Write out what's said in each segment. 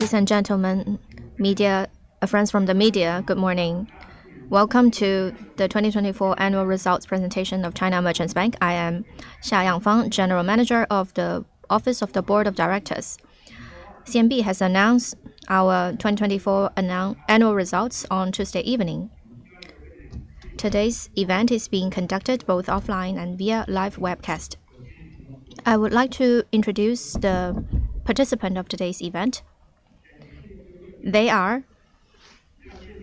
Ladies and gentlemen, friends from the media, good morning. Welcome to the 2024 annual results presentation of China Merchants Bank. I am Xiao Yangfang, General Manager of the Office of the Board of Directors. CMB has announced our 2024 annual results on Tuesday evening. Today's event is being conducted both offline and via live webcast. I would like to introduce the participants of today's event. They are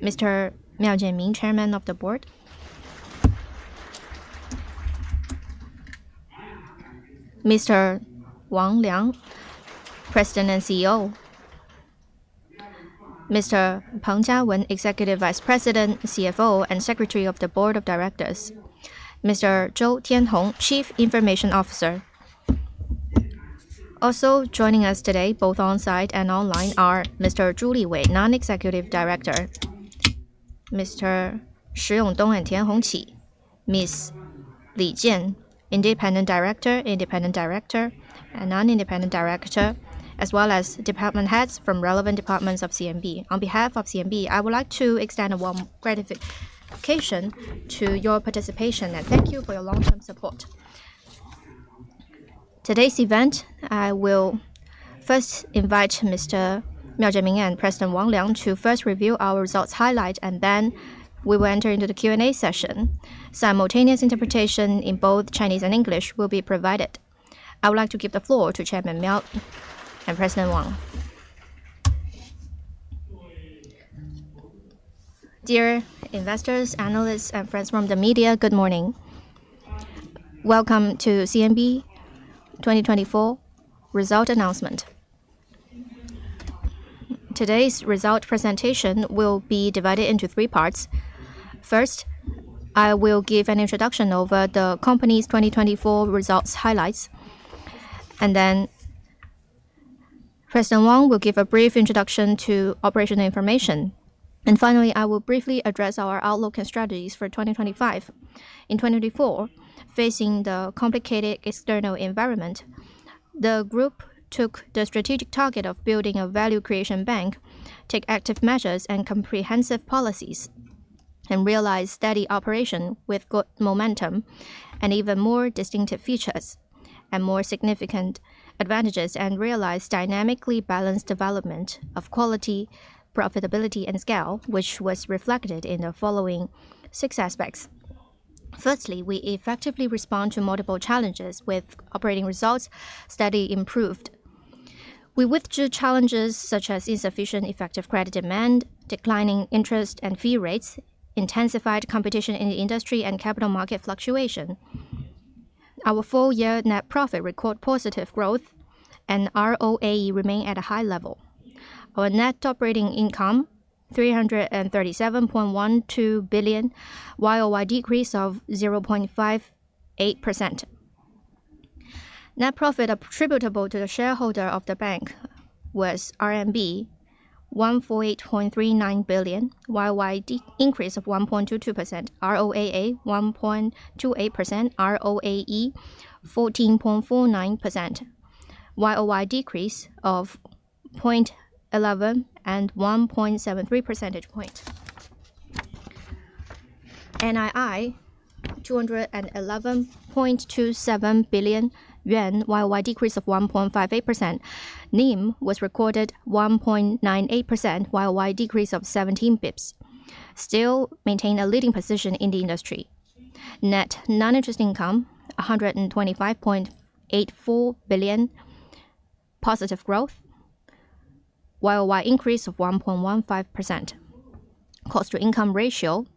Mr. Miao Jianmin, Chairman of the Board; Mr. Wang Liang, President and CEO; Mr. Peng Jiawen, Executive Vice President, CFO, and Secretary of the Board of Directors; Mr. Zhou Tianhong, Chief Information Officer. Also joining us today, both onsite and online, are Mr. Zhu Liwei, Non-Executive Director; Mr. Shi Yongdong and Tianhong Qi; Ms. Li Jian, Independent Director, as well as department heads from relevant departments of CMB. On behalf of CMB, I would like to extend a warm gratification to your participation and thank you for your long-term support. Today's event, I will first invite Mr. Miao Jianmin and President Wang Liang to first review our results highlight, and then we will enter into the Q&A session. Simultaneous interpretation in both Chinese and English will be provided. I would like to give the floor to Chairman Miao and President Wang. Dear investors, analysts, and friends from the media, good morning. Welcome to CMB 2024 result announcement. Today's result presentation will be divided into three parts. First, I will give an introduction over the company's 2024 results highlights, and then President Wang will give a brief introduction to operational information. Finally, I will briefly address our outlook and strategies for 2025. In 2024, facing the complicated external environment, the group took the strategic target of building a value creation bank, taking active measures and comprehensive policies, and realizing steady operation with good momentum and even more distinctive features and more significant advantages, and realizing dynamically balanced development of quality, profitability, and scale, which was reflected in the following six aspects. Firstly, we effectively respond to multiple challenges with operating results steadily improved. We withdrew challenges such as insufficient effective credit demand, declining interest and fee rates, intensified competition in the industry, and capital market fluctuation. Our full-year net profit recorded positive growth, and ROA, ROE remained at a high level. Our net operating income was 337.12 billion, while our decrease was 0.58%. Net profit attributable to the shareholders of the bank was RMB 148.39 billion, while our increase was 1.22%. ROA, ROE was 1.28%. ROA, ROE was 14.49%, while our decrease was 0.11 and 1.73 percentage points. NII was 211.27 billion, while our decrease was 1.58%. NIM was recorded at 1.98%, while our decrease was 17 bps. Still maintaining a leading position in the industry. Net non-interest income was 125.84 billion, positive growth, while our increase was 1.15%. Cost-to-income ratio was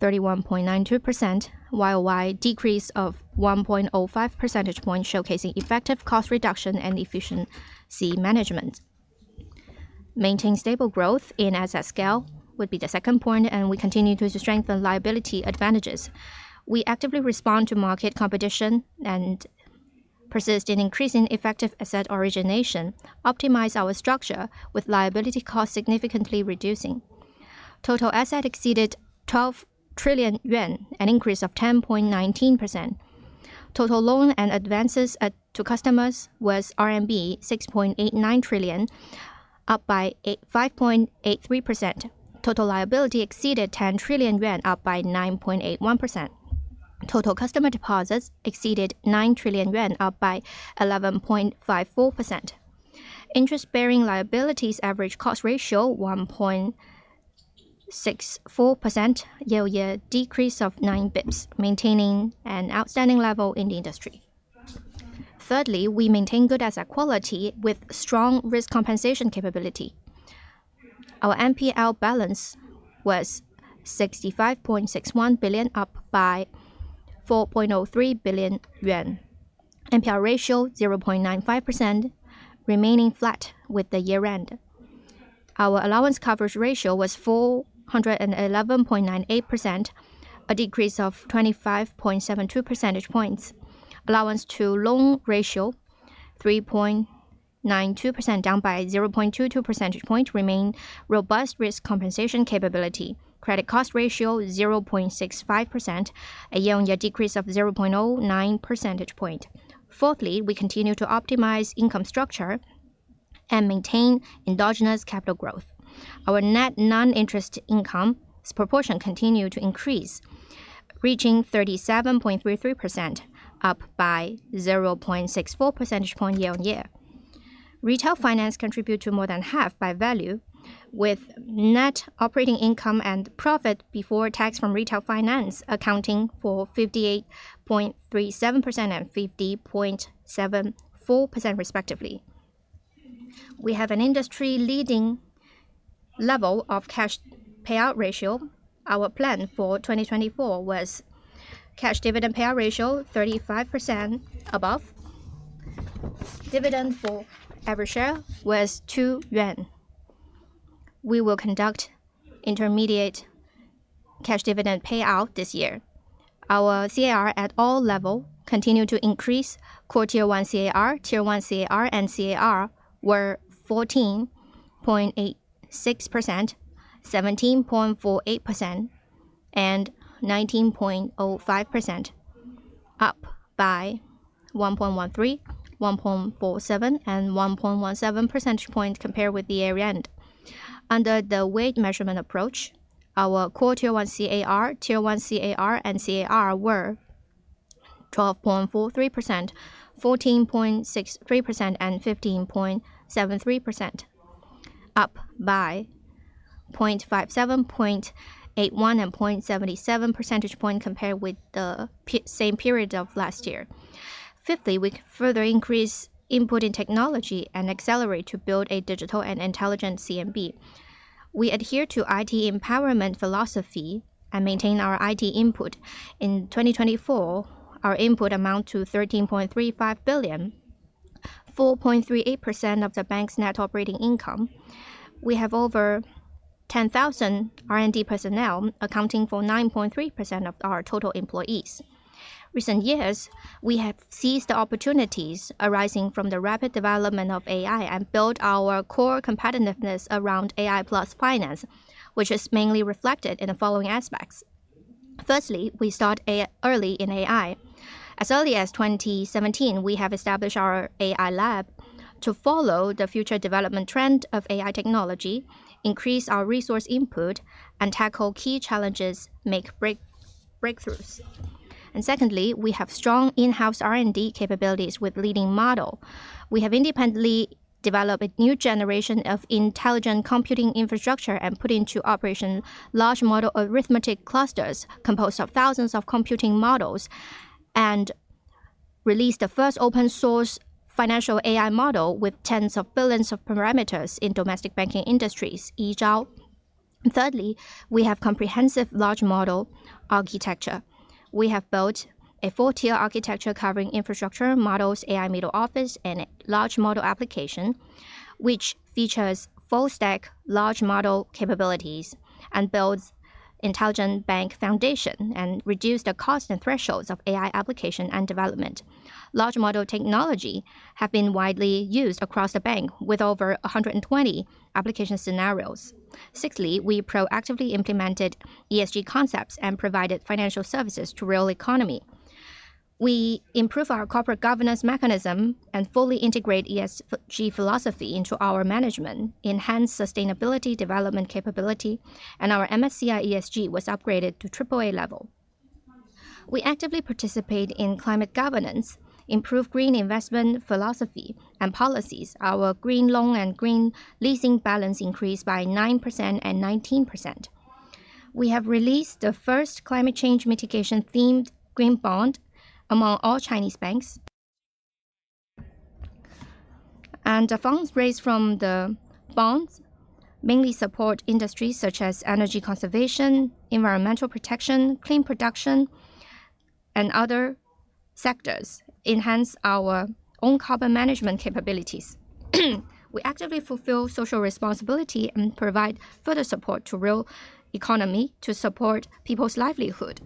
31.92%, while our decrease was 1.05 percentage points, showcasing effective cost reduction and efficiency management. Maintaining stable growth in asset scale would be the second point, and we continue to strengthen liability advantages. We actively respond to market competition and persist in increasing effective asset origination, optimizing our structure with liability costs significantly reducing. Total asset exceeded 12 trillion yuan, an increase of 10.19%. Total loan and advances to customers was RMB 6.89 trillion, up by 5.83%. Total liability exceeded 10 trillion yuan, up by 9.81%. Total customer deposits exceeded 9 trillion yuan, up by 11.54%. Interest-bearing liabilities' average cost ratio was 1.64%, yield year decreased by 9 bps, maintaining an outstanding level in the industry. Thirdly, we maintained good asset quality with strong risk compensation capability. Our NPL balance was 65.61 billion, up by 4.03 billion yuan. NPL ratio was 0.95%, remaining flat with the year-end. Our allowance coverage ratio was 411.98%, a decrease of 25.72 percentage points. Allowance-to-loan ratio was 3.92%, down by 0.22 percentage points. We maintained robust risk compensation capability. Credit cost ratio was 0.65%, a year-on-year decrease of 0.09 percentage points. Fourthly, we continued to optimize income structure and maintain endogenous capital growth. Our net non-interest income's proportion continued to increase, reaching 37.33%, up by 0.64 percentage points year-on-year. Retail finance contributed more than half by value, with net operating income and profit before tax from retail finance accounting for 58.37% and 50.74%, respectively. We have an industry-leading level of cash payout ratio. Our plan for 2024 was cash-dividend payout ratio 35% above. Dividend for every share was 2 yuan. We will conduct intermediate cash-dividend payout this year. Our CAR at all levels continued to increase. Core Tier 1 CAR, Tier 1 CAR, and CAR were 14.86%, 17.48%, and 19.05%, up by 1.13%, 1.47%, and 1.17 percentage points compared with the year-end. Under the risk-weighted assets approach, our Core Tier 1 CAR, Tier 1 CAR, and CAR were 12.43%, 14.63%, and 15.73%, up by 0.57, 0.81, and 0.77 percentage points compared with the same period of last year. Fifthly, we further increased input in technology and accelerated to build a digital and intelligent CMB. We adhered to IT empowerment philosophy and maintained our IT input. In 2024, our input amounted to 13.35 billion, 4.38% of the bank's net operating income. We have over 10,000 R&D personnel, accounting for 9.3% of our total employees. In recent years, we have seized the opportunities arising from the rapid development of AI and built our core competitiveness around AI Plus finance, which is mainly reflected in the following aspects. Firstly, we started early in AI. As early as 2017, we have established our AI lab to follow the future development trend of AI technology, increase our resource input, and tackle key challenges and make breakthroughs. Secondly, we have strong in-house R&D capabilities with a leading model. We have independently developed a new generation of intelligent computing infrastructure and put into operation large model arithmetic clusters composed of thousands of computing models and released the first open-source financial AI model with tens of billions of parameters in domestic banking industries, Yizhou. Thirdly, we have comprehensive large model architecture. We have built a full-tier architecture covering infrastructure, models, AI middle office, and large model application, which features full-stack large model capabilities and builds an intelligent bank foundation and reduces the cost and thresholds of AI application and development. Large model technology has been widely used across the bank, with over 120 application scenarios. Sixthly, we proactively implemented ESG concepts and provided financial services to the real economy. We improved our corporate governance mechanism and fully integrated ESG philosophy into our management, enhanced sustainability development capability, and our MSCI ESG was upgraded to AAA level. We actively participate in climate governance, improved green investment philosophy, and policies. Our green loan and green leasing balance increased by 9% and 19%. We have released the first climate change mitigation-themed green bond among all Chinese banks. The funds raised from the bonds mainly support industries such as energy conservation, environmental protection, clean production, and other sectors, enhancing our own carbon management capabilities. We actively fulfill social responsibility and provide further support to the real economy to support people's livelihood.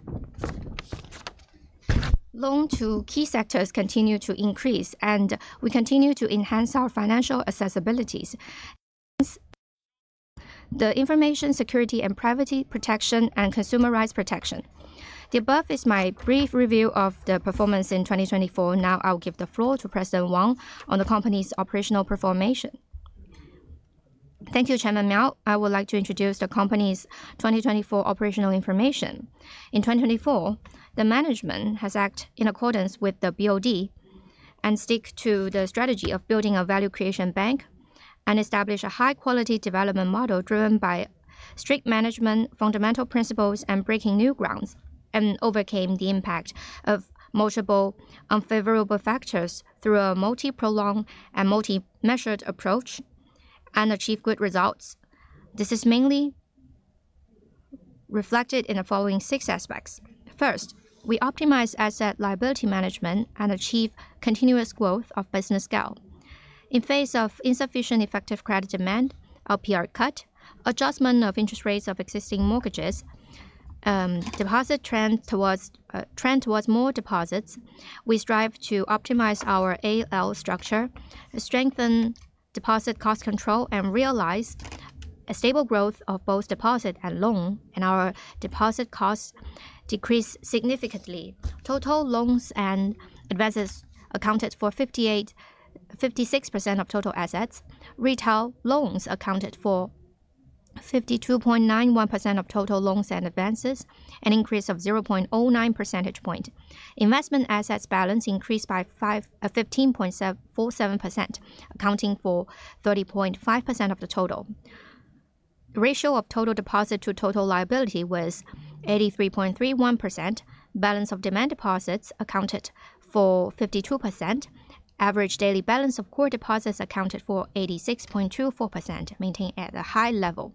Loan-to-key sectors continue to increase, and we continue to enhance our financial accessibility. The information security and privacy protection and consumer rights protection. The above is my brief review of the performance in 2024. Now I'll give the floor to President Wang on the company's operational performance. Thank you, Chairman Miao. I would like to introduce the company's 2024 operational information. In 2024, the management has acted in accordance with the BOD and stuck to the strategy of building a value creation bank and established a high-quality development model driven by strict management, fundamental principles, and breaking new ground, and overcame the impact of multiple unfavorable factors through a multi-pronged and multi-measured approach and achieved good results. This is mainly reflected in the following six aspects. First, we optimized asset liability management and achieved continuous growth of business scale. In face of insufficient effective credit demand, LPR cut, adjustment of interest rates of existing mortgages, and deposit trend towards more deposits, we strive to optimize our AL structure, strengthen deposit cost control, and realize a stable growth of both deposit and loan, and our deposit costs decreased significantly. Total loans and advances accounted for 56% of total assets. Retail loans accounted for 52.91% of total loans and advances, an increase of 0.09 percentage point. Investment assets balance increased by 15.47%, accounting for 30.5% of the total. The ratio of total deposit to total liability was 83.31%. Balance of demand deposits accounted for 52%. Average daily balance of core deposits accounted for 86.24%, maintained at a high level.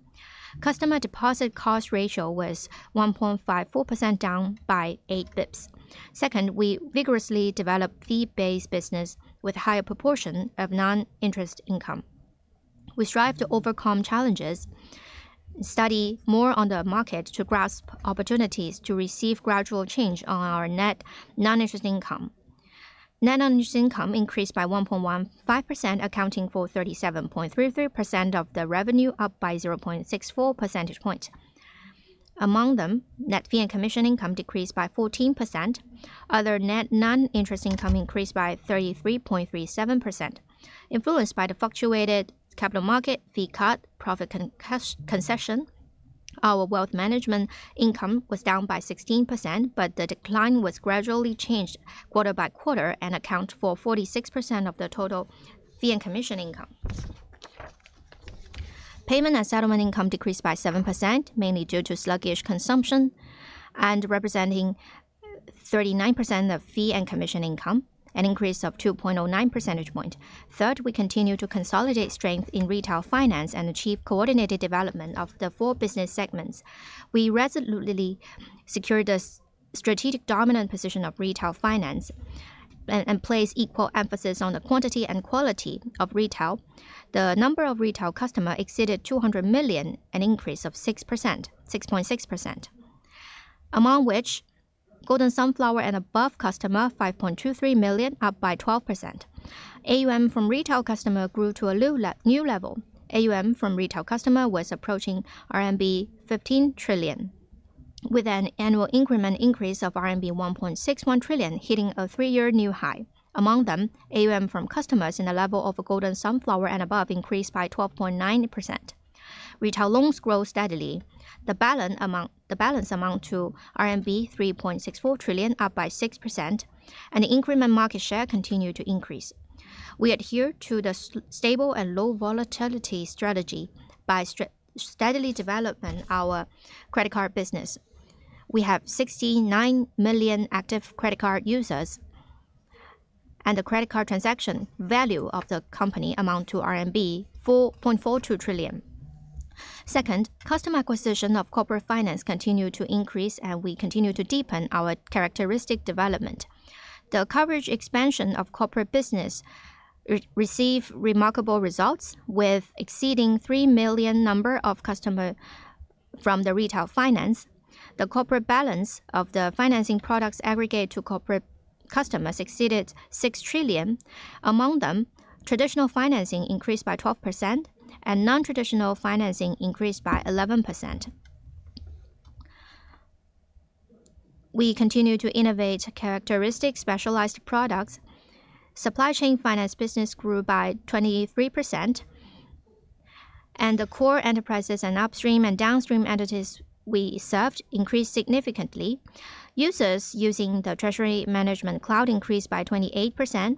Customer deposit cost ratio was 1.54%, down by 8 bps. Second, we vigorously developed fee-based business with a higher proportion of non-interest income. We strive to overcome challenges, study more on the market to grasp opportunities, to receive gradual change on our net non-interest income. Net non-interest income increased by 1.15%, accounting for 37.33% of the revenue, up by 0.64 percentage points. Among them, net fee and commission income decreased by 14%. Other net non-interest income increased by 33.37%. Influenced by the fluctuated capital market, fee cut, profit concession, our wealth management income was down by 16%, but the decline was gradually changed quarter by quarter and accounted for 46% of the total fee and commission income. Payment and settlement income decreased by 7%, mainly due to sluggish consumption and representing 39% of fee and commission income, an increase of 2.09 percentage points. Third, we continue to consolidate strength in retail finance and achieve coordinated development of the four business segments. We resolutely secured the strategic dominant position of retail finance and placed equal emphasis on the quantity and quality of retail. The number of retail customers exceeded 200 million, an increase of 6.6%, among which Golden Sunflower and above customers, 5.23 million, up by 12%. AUM from retail customers grew to a new level. AUM from retail customers was approaching RMB 15 trillion, with an annual increment increase of RMB 1.61 trillion, hitting a three-year new high. Among them, AUM from customers in the level of Golden Sunflower and above increased by 12.9%. Retail loans grow steadily. The balance amount to RMB 3.64 trillion, up by 6%, and the increment market share continued to increase. We adhere to the stable and low volatility strategy by steadily developing our credit card business. We have 69 million active credit card users, and the credit card transaction value of the company amounts to RMB 4.42 trillion. Second, customer acquisition of corporate finance continued to increase, and we continue to deepen our characteristic development. The coverage expansion of corporate business received remarkable results, with an exceeding three million number of customers from the retail finance. The corporate balance of the financing products aggregated to corporate customers exceeded 6 trillion. Among them, traditional financing increased by 12%, and non-traditional financing increased by 11%. We continue to innovate characteristic specialized products. Supply chain finance business grew by 23%, and the core enterprises and upstream and downstream entities we served increased significantly. Users using the Treasury Management Cloud increased by 28%,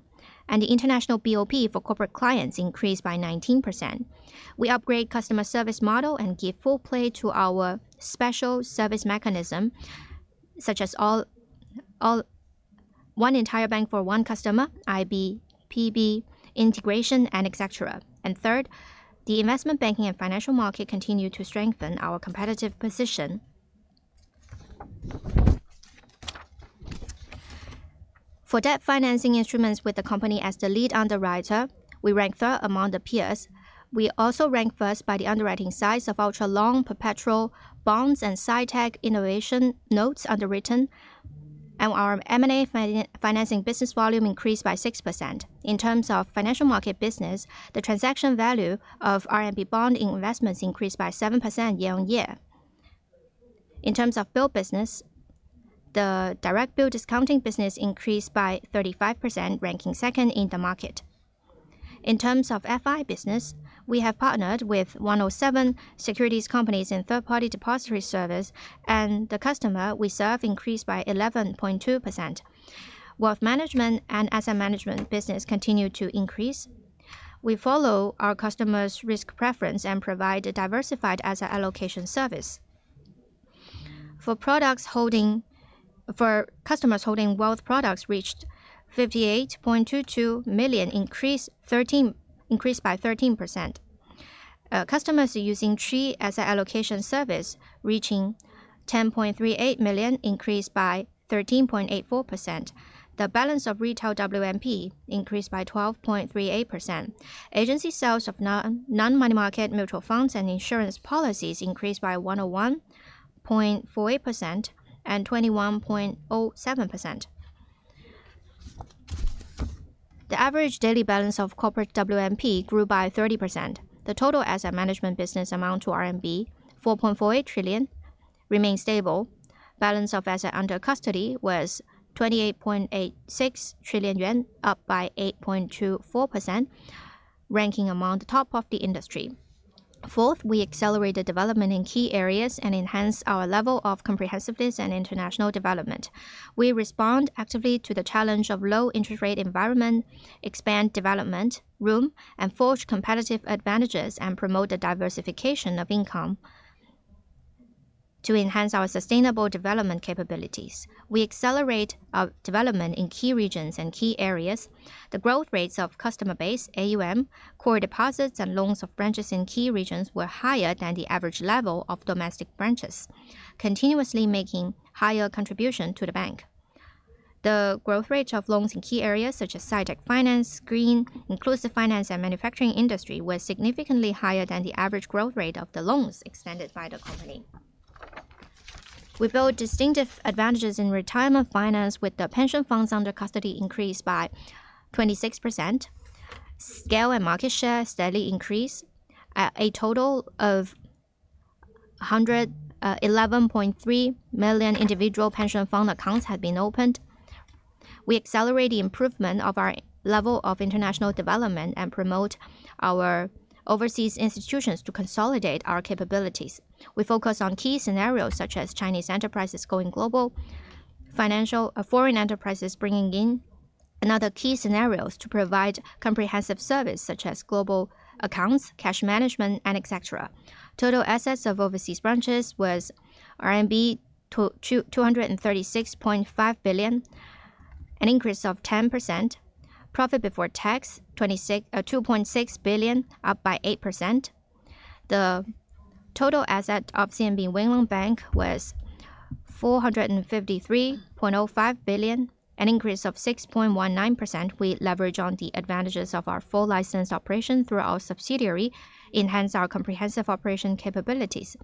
and the international BOP for corporate clients increased by 19%. We upgrade customer service model and give full play to our special service mechanism, such as one entire bank for one customer, IB, PB integration, etc. Third, the investment banking and financial market continue to strengthen our competitive position. For debt financing instruments with the company as the lead underwriter, we ranked third among the peers. We also ranked first by the underwriting size of ultra-long perpetual bonds and Sci-Tech innovation notes underwritten, and our M&A financing business volume increased by 6%. In terms of financial market business, the transaction value of RMB bond investments increased by 7% year-on-year. In terms of bill business, the direct bill discounting business increased by 35%, ranking second in the market. In terms of FI business, we have partnered with 107 securities companies in third-party depository service, and the customers we serve increased by 11.2%. Wealth management and asset management business continue to increase. We follow our customers' risk preference and provide a diversified asset allocation service. For customers holding wealth products, reached 58.22 million, increased by 13%. Customers using tree asset allocation service, reaching 10.38 million, increased by 13.84%. The balance of retail WMP increased by 12.38%. Agency sales of non-money market mutual funds and insurance policies increased by 101.48% and 21.07%. The average daily balance of corporate WMP grew by 30%. The total asset management business amount to RMB 4.48 trillion remained stable. Balance of asset under custody was 28.86 trillion yuan, up by 8.24%, ranking among the top of the industry. Fourth, we accelerated development in key areas and enhanced our level of comprehensiveness and international development. We respond actively to the challenge of low interest rate environment, expand development room, and forge competitive advantages and promote the diversification of income to enhance our sustainable development capabilities. We accelerate our development in key regions and key areas. The growth rates of customer base, AUM, core deposits, and loans of branches in key regions were higher than the average level of domestic branches, continuously making a higher contribution to the bank. The growth rate of loans in key areas such as Sci-Tech finance, green, inclusive finance, and manufacturing industry was significantly higher than the average growth rate of the loans extended by the company. We built distinctive advantages in retirement finance with the pension funds under custody increased by 26%. Scale and market share steadily increased. A total of 111.3 million individual pension fund accounts have been opened. We accelerate the improvement of our level of international development and promote our overseas institutions to consolidate our capabilities. We focus on key scenarios such as Chinese enterprises going global, foreign enterprises bringing in, and other key scenarios to provide comprehensive services such as global accounts, cash management, etc. Total assets of overseas branches was RMB 236.5 billion, an increase of 10%. Profit before tax 2.6 billion, up by 8%. The total asset of CMB Wing Lung Bank was 453.05 billion, an increase of 6.19%. We leverage on the advantages of our full licensed operation through our subsidiary, enhancing our comprehensive operation capabilities.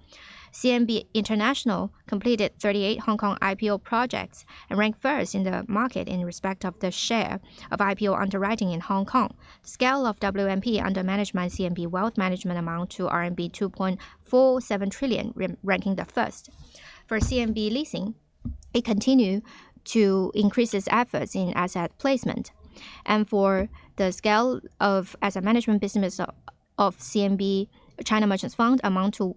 CMB International completed 38 Hong Kong IPO projects and ranked first in the market in respect of the share of IPO underwriting in Hong Kong. Scale of WMP under management, CMB wealth management amount to RMB 2.47 trillion, ranking the first. For CMB Financial Leasing, it continued to increase its efforts in asset placement. For the scale of asset management business of China Merchants Fund, amount to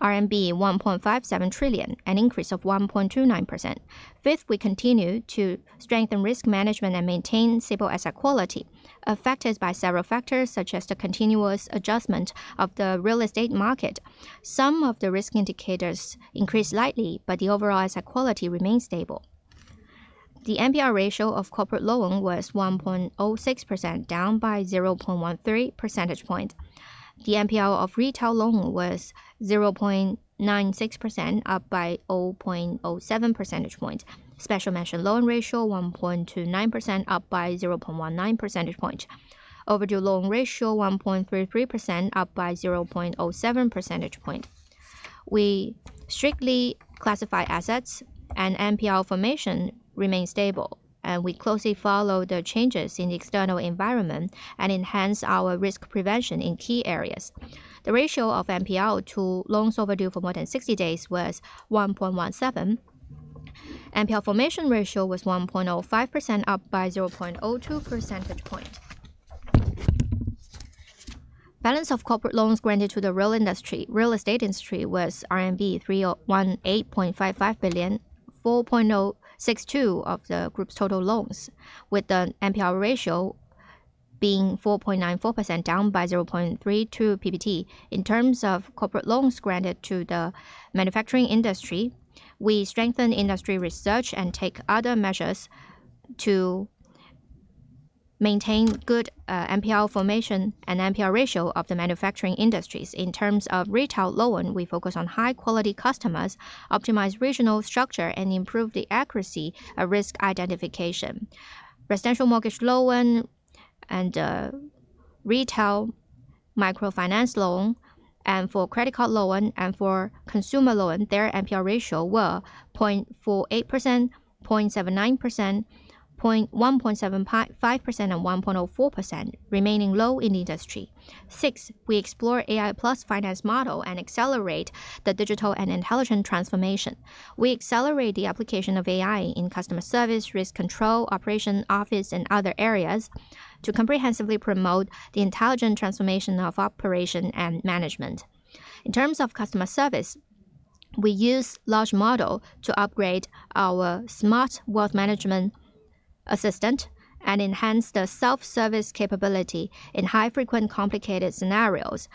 RMB 1.57 trillion, an increase of 1.29%. Fifth, we continue to strengthen risk management and maintain stable asset quality. Affected by several factors, such as the continuous adjustment of the real estate market, some of the risk indicators increased slightly, but the overall asset quality remained stable. The MPR ratio of corporate loan was 1.06%, down by 0.13 percentage points. The MPR of retail loan was 0.96%, up by 0.07 percentage points. Special mention loan ratio 1.29%, up by 0.19 percentage points. Overdue loan ratio 1.33%, up by 0.07 percentage points. We strictly classify assets, and MPR formation remained stable, and we closely follow the changes in the external environment and enhance our risk prevention in key areas. The ratio of MPR to loans overdue for more than 60 days was 1.17. MPR formation ratio was 1.05%, up by 0.02 percentage points. Balance of corporate loans granted to the real estate industry was RMB 18.55 billion, 4.062% of the group's total loans, with the MPR ratio being 4.94%, down by 0.32 percentage points. In terms of corporate loans granted to the manufacturing industry, we strengthen industry research and take other measures to maintain good MPR formation and MPR ratio of the manufacturing industries. In terms of retail loan, we focus on high-quality customers, optimize regional structure, and improve the accuracy of risk identification. Residential mortgage loan and retail microfinance loan, and for credit card loan and for consumer loan, their MPR ratio were 0.48%, 0.79%, 0.175%, and 1.04%, remaining low in the industry. Sixth, we explore AI Plus finance model and accelerate the digital and intelligent transformation. We accelerate the application of AI in customer service, risk control, operation, office, and other areas to comprehensively promote the intelligent transformation of operation and management. In terms of customer service, we use large model to upgrade our smart wealth management assistant and enhance the self-service capability in high-frequent, complicated scenarios,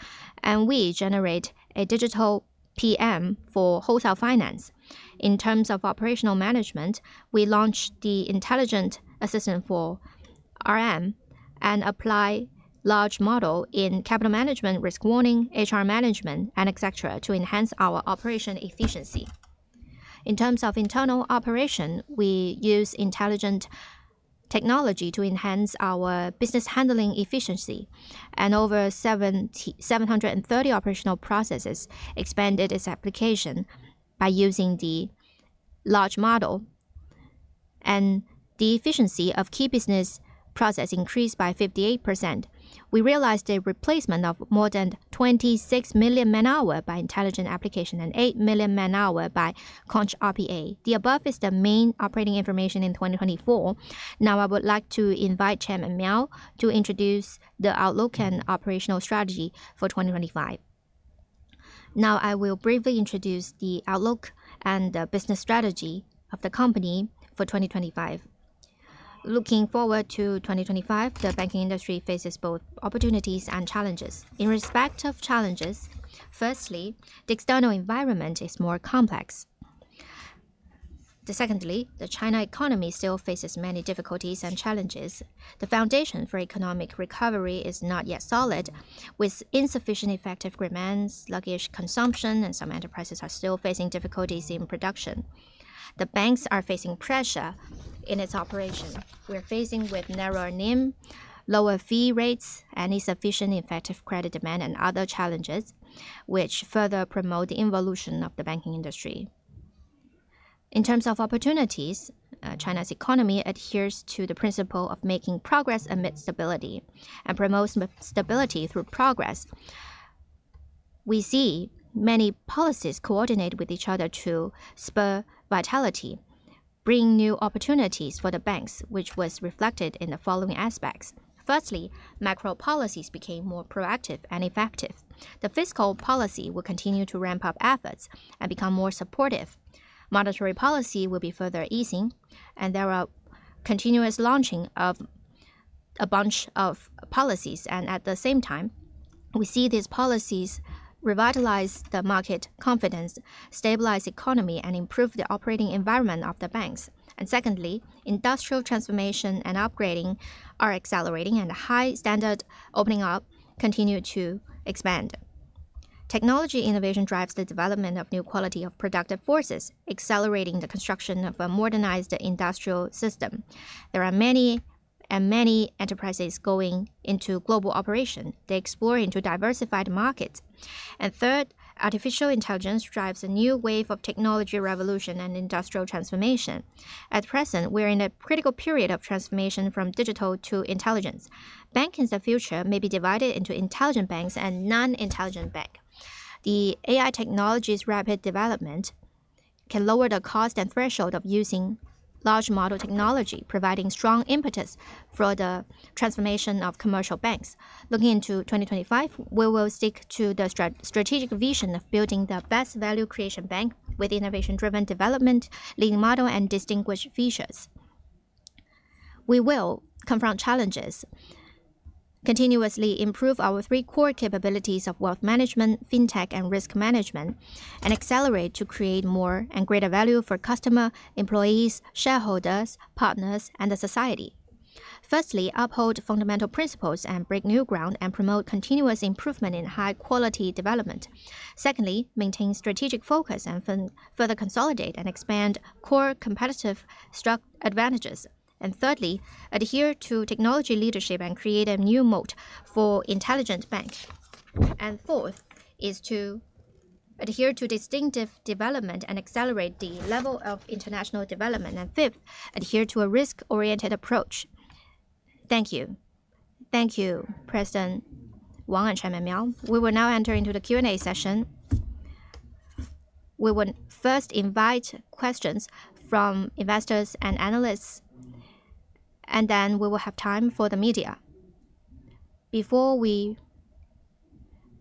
and we generate a digital PM for hotel finance. In terms of operational management, we launch the intelligent assistant for RM and apply large model in capital management, risk warning, HR management, etc., to enhance our operation efficiency. In terms of internal operation, we use intelligent technology to enhance our business handling efficiency, and over 730 operational processes expanded its application by using the large model, and the efficiency of key business process increased by 58%. We realized the replacement of more than 26 million man-hour by intelligent application and eight million man-hour by RPA. The above is the main operating information in 2024. Now, I would like to invite Chairman Miao to introduce the Outlook and Operational Strategy for 2025. Now, I will briefly introduce the outlook and the business strategy of the company for 2025. Looking forward to 2025, the banking industry faces both opportunities and challenges. In respect of challenges, firstly, the external environment is more complex. Secondly, the China economy still faces many difficulties and challenges. The foundation for economic recovery is not yet solid, with insufficient effective remands, sluggish consumption, and some enterprises are still facing difficulties in production. The banks are facing pressure in its operation. We are facing with narrower NIM, lower fee rates, and insufficient effective credit demand and other challenges, which further promote the involution of the banking industry. In terms of opportunities, China's economy adheres to the principle of making progress amid stability and promotes stability through progress. We see many policies coordinate with each other to spur vitality, bring new opportunities for the banks, which was reflected in the following aspects. Firstly, macro policies became more proactive and effective. The fiscal policy will continue to ramp up efforts and become more supportive. Monetary policy will be further easing, and there are continuous launching of a bunch of policies, at the same time, we see these policies revitalize the market confidence, stabilize the economy, and improve the operating environment of the banks. Secondly, industrial transformation and upgrading are accelerating, and high standards opening up continue to expand. Technology innovation drives the development of new quality of productive forces, accelerating the construction of a modernized industrial system. There are many and many enterprises going into global operation. They explore into diversified markets. Third, artificial intelligence drives a new wave of technology revolution and industrial transformation. At present, we are in a critical period of transformation from digital to intelligence. Bank in the future may be divided into intelligent banks and non-intelligent bank. The AI technology's rapid development can lower the cost and threshold of using large model technology, providing strong impetus for the transformation of commercial banks. Looking into 2025, we will stick to the strategic vision of building the best value creation bank with innovation-driven development, leading model, and distinguished features. We will confront challenges, continuously improve our three core capabilities of wealth management, fintech, and risk management, and accelerate to create more and greater value for customers, employees, shareholders, partners, and the society. Firstly, uphold fundamental principles and break new ground, and promote continuous improvement in high-quality development. Secondly, maintain strategic focus and further consolidate and expand core competitive advantages. Thirdly, adhere to technology leadership and create a new moat for intelligent banks. Fourth is to adhere to distinctive development and accelerate the level of international development. Fifth, adhere to a risk-oriented approach. Thank you. Thank you, President Wang and Chairman Miao. We will now enter into the Q&A session. We will first invite questions from investors and analysts, and then we will have time for the media. Before you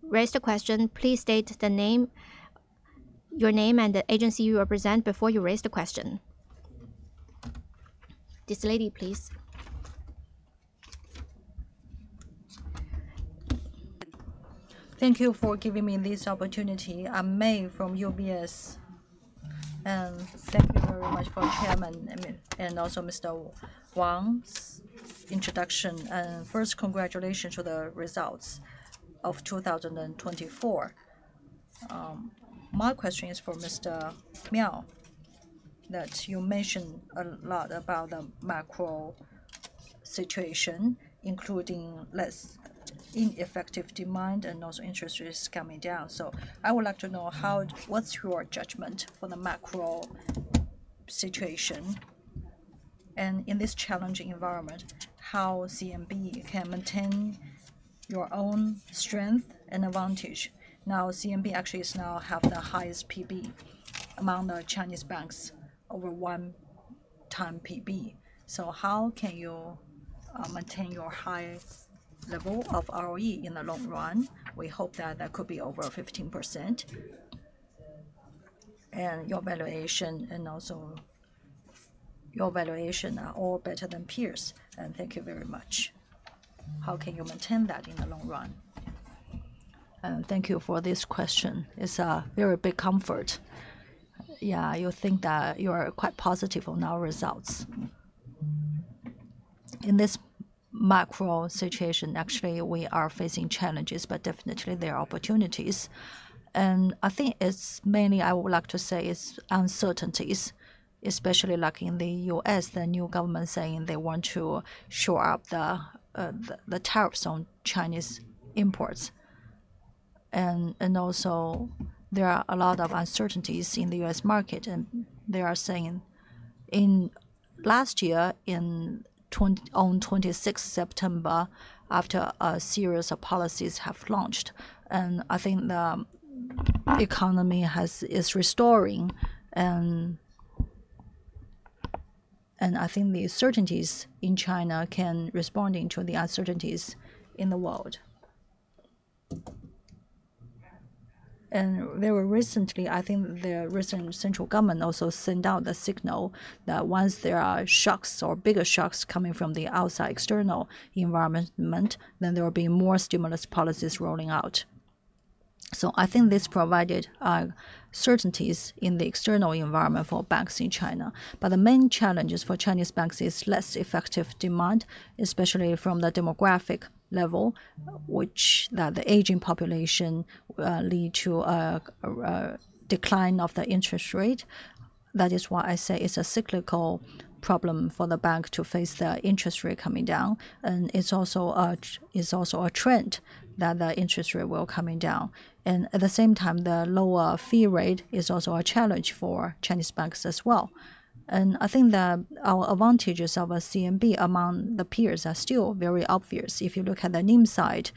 raise the question, please state your name and the agency you represent before you raise the question. This lady, please. Thank you for giving me this opportunity. I'm Mei from UBS. Thank you very much for Chairman and also Mr. Wang's introduction. First, congratulations to the results of 2024. My question is for Mr. Miao that you mentioned a lot about the macro situation, including less ineffective demand and also interest rates coming down. I would like to know what's your judgment for the macro situation and in this challenging environment, how CMB can maintain your own strength and advantage. Now, CMB actually has now the highest PB among the Chinese banks, over one-time PB. How can you maintain your high level of ROE in the long run? We hope that that could be over 15%. Your valuation and also your valuation are all better than peers. Thank you very much. How can you maintain that in the long run? Thank you for this question. It's a very big comfort. Yeah, you think that you are quite positive on our results. In this macro situation, actually, we are facing challenges, but definitely there are opportunities. I think it's mainly, I would like to say, it's uncertainties, especially like in the U.S., the new government saying they want to shore up the tariffs on Chinese imports. Also, there are a lot of uncertainties in the U.S. market, and they are saying in last year, on 26th September, after a series of policies have launched. I think the economy is restoring. I think the uncertainties in China can respond to the uncertainties in the world. Very recently, I think the recent central government also sent out the signal that once there are shocks or bigger shocks coming from the outside external environment, there will be more stimulus policies rolling out. I think this provided certainties in the external environment for banks in China. The main challenge for Chinese banks is less effective demand, especially from the demographic level, which the aging population leads to a decline of the interest rate. That is why I say it's a cyclical problem for the bank to face the interest rate coming down. It is also a trend that the interest rate will be coming down. At the same time, the lower fee rate is also a challenge for Chinese banks as well. I think that our advantages of CMB among the peers are still very obvious. If you look at the NIM side,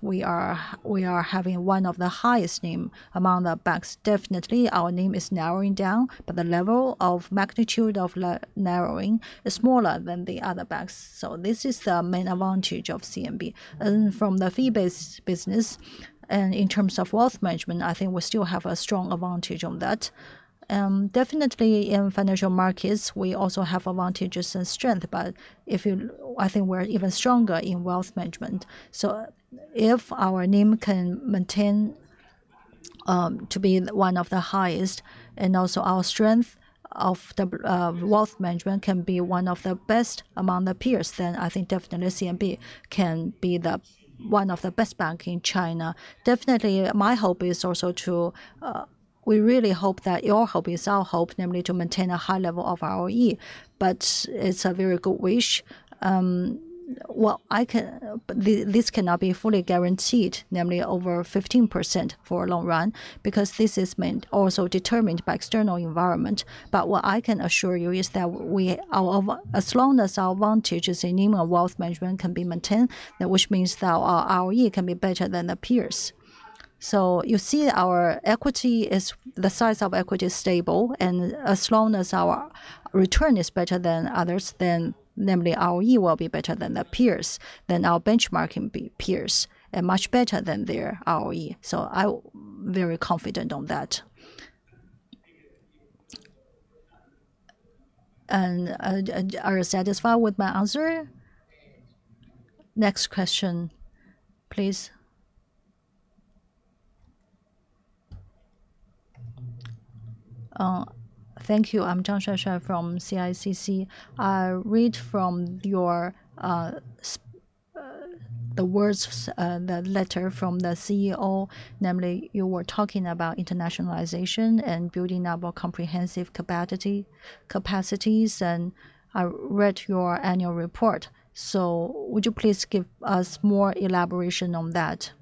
we are having one of the highest NIM among the banks. Definitely, our NIM is narrowing down, but the level of magnitude of narrowing is smaller than the other banks. This is the main advantage of CMB. From the fee-based business, and in terms of wealth management, I think we still have a strong advantage on that. Definitely, in financial markets, we also have advantages and strength, but I think we're even stronger in wealth management. If our NIM can maintain to be one of the highest, and also our strength of wealth management can be one of the best among the peers, then I think definitely CMB can be one of the best banks in China. My hope is also to we really hope that your hope is our hope, namely to maintain a high level of ROE, but it's a very good wish. This cannot be fully guaranteed, namely over 15% for a long run, because this is also determined by external environment. What I can assure you is that as long as our advantages in NIM and wealth management can be maintained, which means that our ROE can be better than the peers. You see our equity, the size of equity is stable, and as long as our return is better than others, namely our ROE will be better than the peers, our benchmarking peers, and much better than their ROE. I am very confident on that. Are you satisfied with my answer? Next question, please. Thank you. I am Zheng Shengsheng from CICC. I read from the words, the letter from the CEO, namely you were talking about internationalization and building up comprehensive capacities, and I read your annual report. Would you please give us more elaboration on that?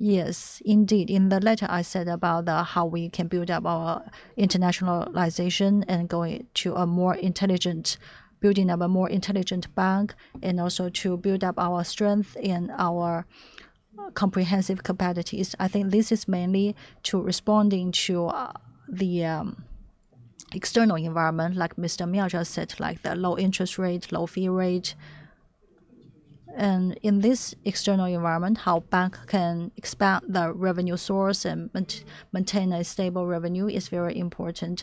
Yes, indeed. In the letter, I said about how we can build up our internationalization and going to a more intelligent building of a more intelligent bank, and also to build up our strength and our comprehensive capacities. I think this is mainly to responding to the external environment, like Mr. Miao just said, like the low interest rate, low fee rate. In this external environment, how a bank can expand the revenue source and maintain a stable revenue is very important.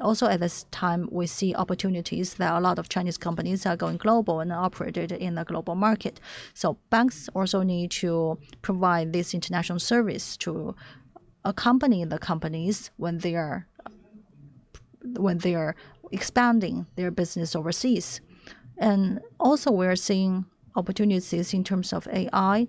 Also at this time, we see opportunities that a lot of Chinese companies are going global and operated in the global market. Banks also need to provide this international service to accompany the companies when they are expanding their business overseas. We are seeing opportunities in terms of AI,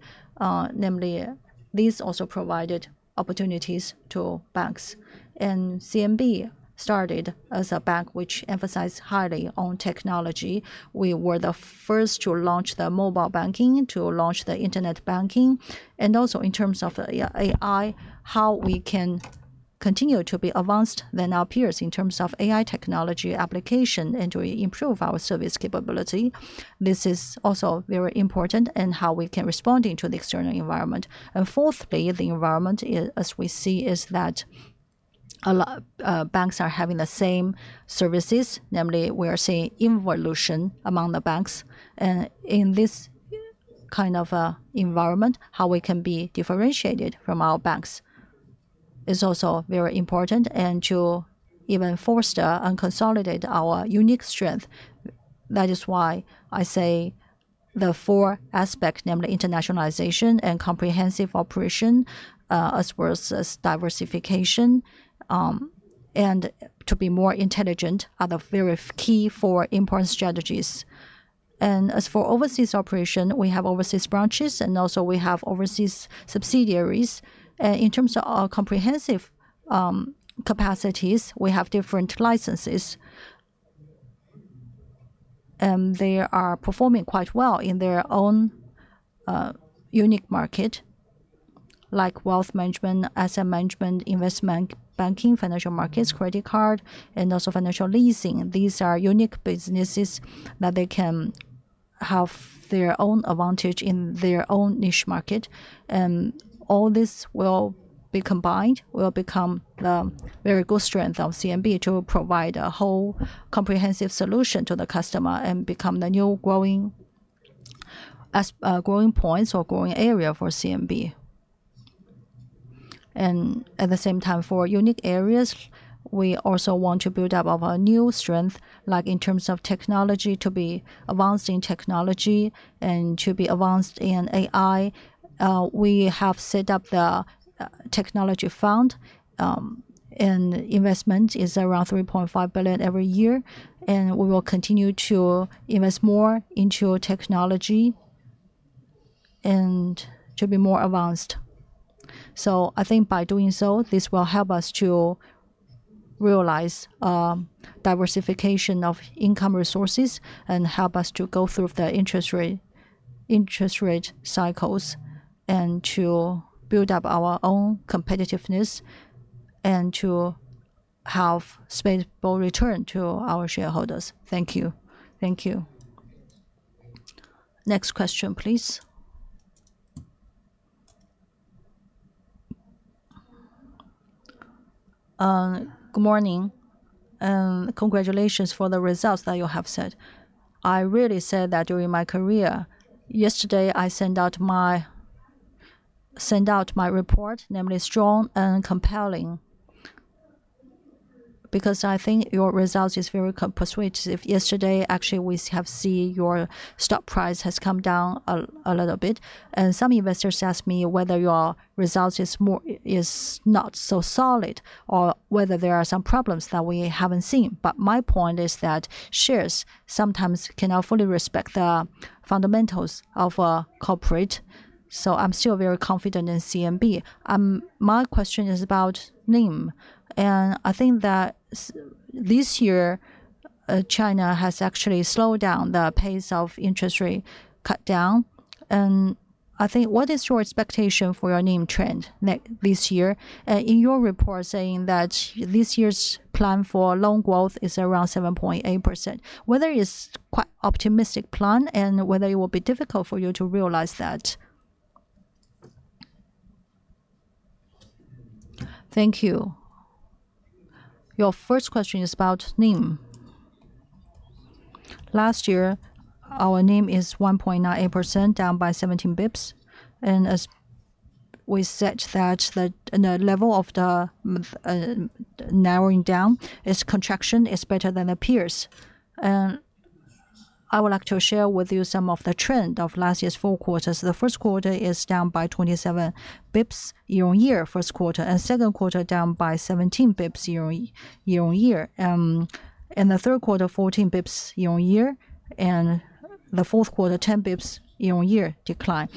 namely these also provided opportunities to banks. CMB started as a bank which emphasized highly on technology. We were the first to launch the mobile banking, to launch the internet banking. Also, in terms of AI, how we can continue to be advanced than our peers in terms of AI technology application and to improve our service capability. This is also very important and how we can respond to the external environment. Fourthly, the environment as we see is that banks are having the same services, namely we are seeing evolution among the banks. In this kind of environment, how we can be differentiated from our banks is also very important and to even foster and consolidate our unique strength. That is why I say the four aspects, namely internationalization and comprehensive operation as well as diversification and to be more intelligent are the very key four important strategies. As for overseas operation, we have overseas branches and also we have overseas subsidiaries. In terms of our comprehensive capacities, we have different licenses. They are performing quite well in their own unique market, like wealth management, asset management, investment banking, financial markets, credit card, and also financial leasing. These are unique businesses that they can have their own advantage in their own niche market. All this will be combined, will become the very good strength of CMB to provide a whole comprehensive solution to the customer and become the new growing points or growing area for CMB. At the same time, for unique areas, we also want to build up our new strength, like in terms of technology, to be advanced in technology and to be advanced in AI. We have set up the technology fund, and investment is around 3.5 billion every year. We will continue to invest more into technology and to be more advanced. I think by doing so, this will help us to realize diversification of income resources and help us to go through the interest rate cycles and to build up our own competitiveness and to have stable return to our shareholders. Thank you. Thank you. Next question, please. Good morning. Congratulations for the results that you have said. I really said that during my career. Yesterday, I sent out my report, namely strong and compelling, because I think your results are very persuasive. Yesterday, actually, we have seen your stock price has come down a little bit. Some investors asked me whether your results are not so solid or whether there are some problems that we have not seen. My point is that shares sometimes cannot fully respect the fundamentals of a corporate. I'm still very confident in CMB. My question is about NIM. I think that this year, China has actually slowed down the pace of interest rate cut down. I think what is your expectation for your NIM trend this year? In your report, saying that this year's plan for loan growth is around 7.8%, whether it's quite an optimistic plan and whether it will be difficult for you to realize that. Thank you. Your first question is about NIM. Last year, our NIM is 1.98%, down by 17 bps. As we said, the level of the narrowing down is contraction is better than the peers. I would like to share with you some of the trend of last year's four quarters. The first quarter is down by 27 bps year on year, first quarter. Second quarter, down by 17 bps year on year. The third quarter, 14 bps year on year. The fourth quarter, 10 bps year on year, decline.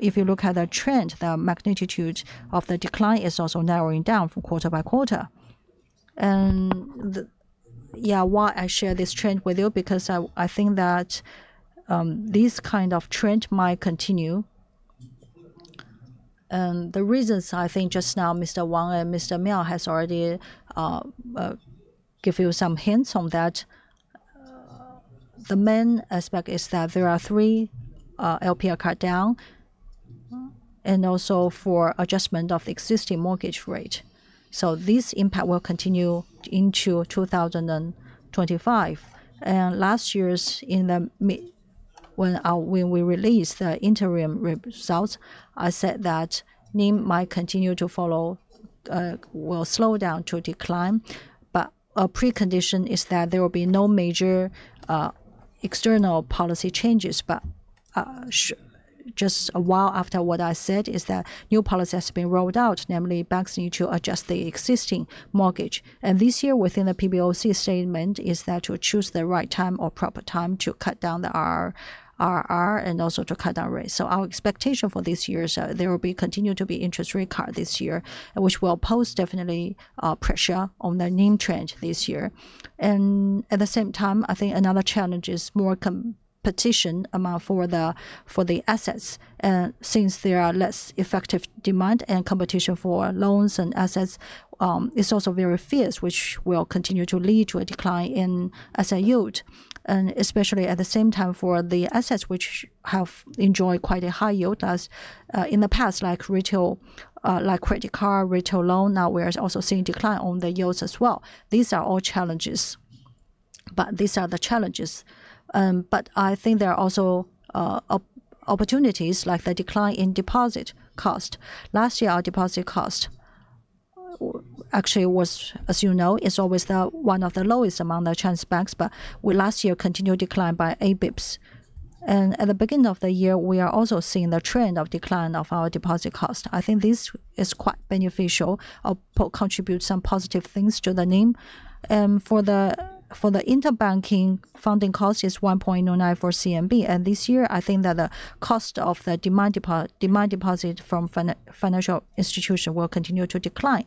If you look at the trend, the magnitude of the decline is also narrowing down quarter by quarter. Why I share this trend with you? I think that this kind of trend might continue. The reasons I think just now, Mr. Wang and Mr. Miao have already given you some hints on that. The main aspect is that there are three LPR cut down and also for adjustment of existing mortgage rate. This impact will continue into 2025. Last year, when we released the interim results, I said that NIM might continue to follow, will slow down to decline. A precondition is that there will be no major external policy changes. Just a while after what I said is that new policy has been rolled out, namely banks need to adjust the existing mortgage. This year, within the PBOC statement, is that to choose the right time or proper time to cut down the IRR and also to cut down rates. Our expectation for this year is there will continue to be interest rate cut this year, which will pose definitely pressure on the NIM trend this year. At the same time, I think another challenge is more competition among for the assets. Since there are less effective demand and competition for loans and assets, it's also very fierce, which will continue to lead to a decline in asset yield. Especially at the same time for the assets, which have enjoyed quite a high yield in the past, like credit card, retail loan, now we are also seeing a decline on the yields as well. These are all challenges. These are the challenges. I think there are also opportunities, like the decline in deposit cost. Last year, our deposit cost actually was, as you know, is always one of the lowest among the Chinese banks, but we last year continued decline by 8 bps. At the beginning of the year, we are also seeing the trend of decline of our deposit cost. I think this is quite beneficial or contributes some positive things to the NIM. For the interbanking funding cost, it is 1.09 for CMB. This year, I think that the cost of the demand deposit from financial institutions will continue to decline.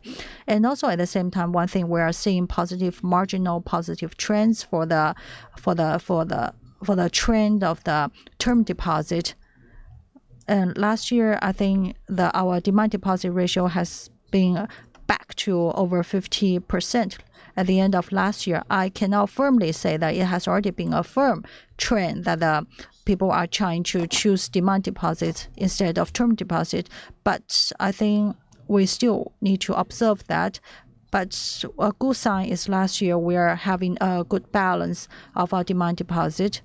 At the same time, one thing we are seeing is positive marginal positive trends for the trend of the term deposit. Last year, I think our demand deposit ratio has been back to over 50% at the end of last year. I cannot firmly say that it has already been a firm trend that people are trying to choose demand deposits instead of term deposit. I think we still need to observe that. A good sign is last year we are having a good balance of our demand deposit.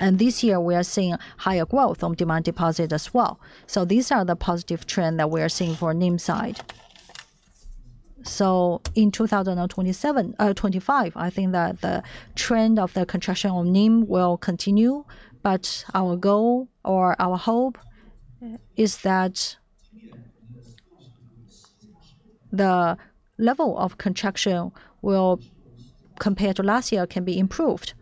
This year, we are seeing higher growth on demand deposit as well. These are the positive trends that we are seeing for NIM side. In 2025, I think that the trend of the contraction on NIM will continue. Our goal or our hope is that the level of contraction compared to last year can be improved.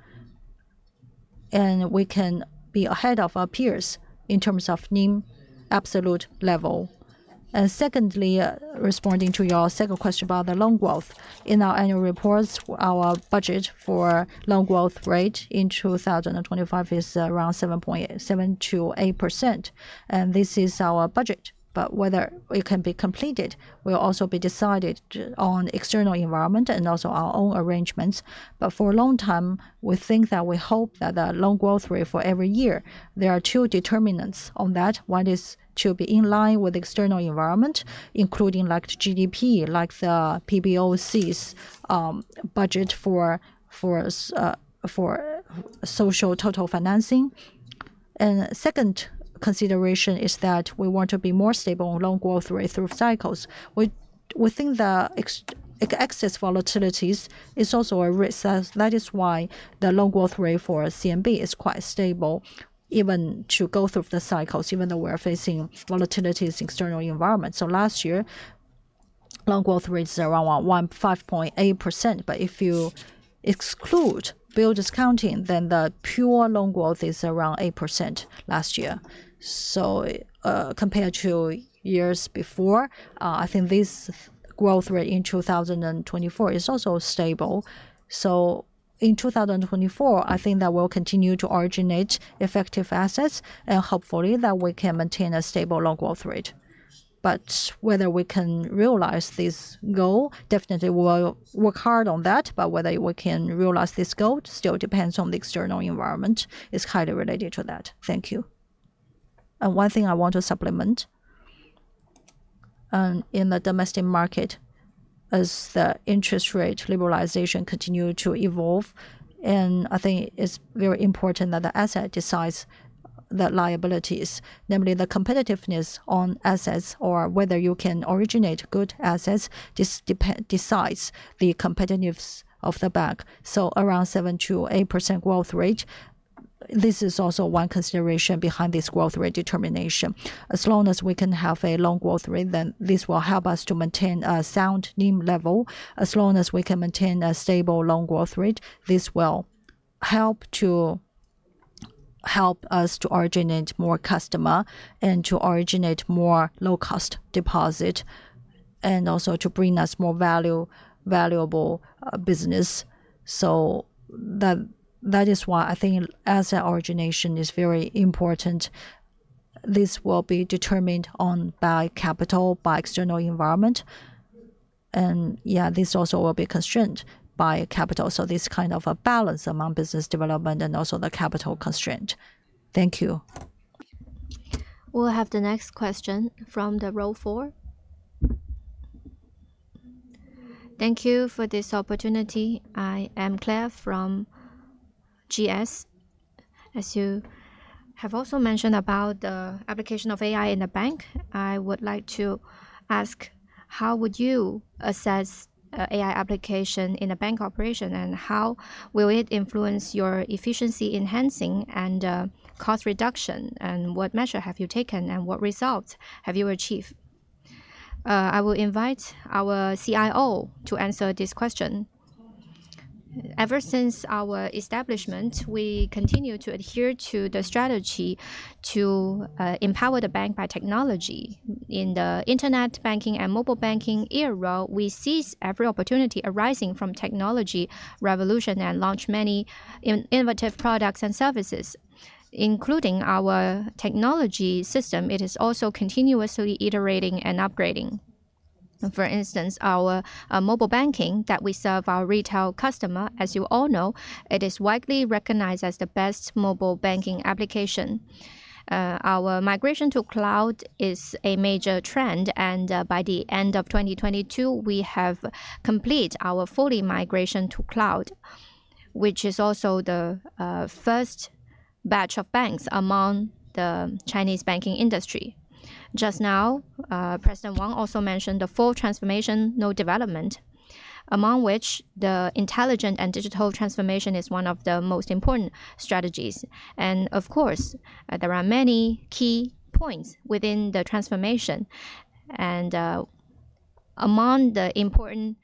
We can be ahead of our peers in terms of NIM absolute level. Secondly, responding to your second question about the loan growth, in our annual reports, our budget for loan growth rate in 2025 is around 7.8%. This is our budget. Whether it can be completed will also be decided on external environment and also our own arrangements. For a long time, we think that we hope that the loan growth rate for every year, there are two determinants on that. One is to be in line with external environment, including GDP, like the PBOC's budget for social total financing. Second consideration is that we want to be more stable on loan growth rate through cycles. We think the excess volatilities is also a risk. That is why the loan growth rate for CMB is quite stable, even to go through the cycles, even though we are facing volatilities in external environment. Last year, loan growth rate is around 5.8%. If you exclude bill discounting, then the pure loan growth is around 8% last year. Compared to years before, I think this growth rate in 2024 is also stable. In 2024, I think that we'll continue to originate effective assets and hopefully that we can maintain a stable loan growth rate. Whether we can realize this goal, definitely we'll work hard on that. Whether we can realize this goal still depends on the external environment. It's highly related to that. Thank you. One thing I want to supplement. In the domestic market, as the interest rate liberalization continues to evolve, and I think it's very important that the asset decides the liabilities, namely the competitiveness on assets or whether you can originate good assets, this decides the competitiveness of the bank. Around 7% to 8% growth rate, this is also one consideration behind this growth rate determination. As long as we can have a loan growth rate, then this will help us to maintain a sound NIM level. As long as we can maintain a stable loan growth rate, this will help us to originate more customer and to originate more low-cost deposit and also to bring us more valuable business. That is why I think asset origination is very important. This will be determined by capital, by external environment. Yeah, this also will be constrained by capital. This kind of a balance among business development and also the capital constraint. Thank you. We'll have the next question from the row four. Thank you for this opportunity. I am Claire from GS. As you have also mentioned about the application of AI in the bank, I would like to ask, how would you assess AI application in a bank operation and how will it influence your efficiency enhancing and cost reduction? What measure have you taken and what results have you achieved? I will invite our CIO to answer this question. Ever since our establishment, we continue to adhere to the strategy to empower the bank by technology. In the internet banking and mobile banking era, we seize every opportunity arising from technology revolution and launch many innovative products and services, including our technology system. It is also continuously iterating and upgrading. For instance, our mobile banking that we serve our retail customer, as you all know, it is widely recognized as the best mobile banking application. Our migration to cloud is a major trend. By the end of 2022, we have completed our fully migration to cloud, which is also the first batch of banks among the Chinese banking industry. President Wang also mentioned the full transformation, no development, among which the intelligent and digital transformation is one of the most important strategies. There are many key points within the transformation. Among the important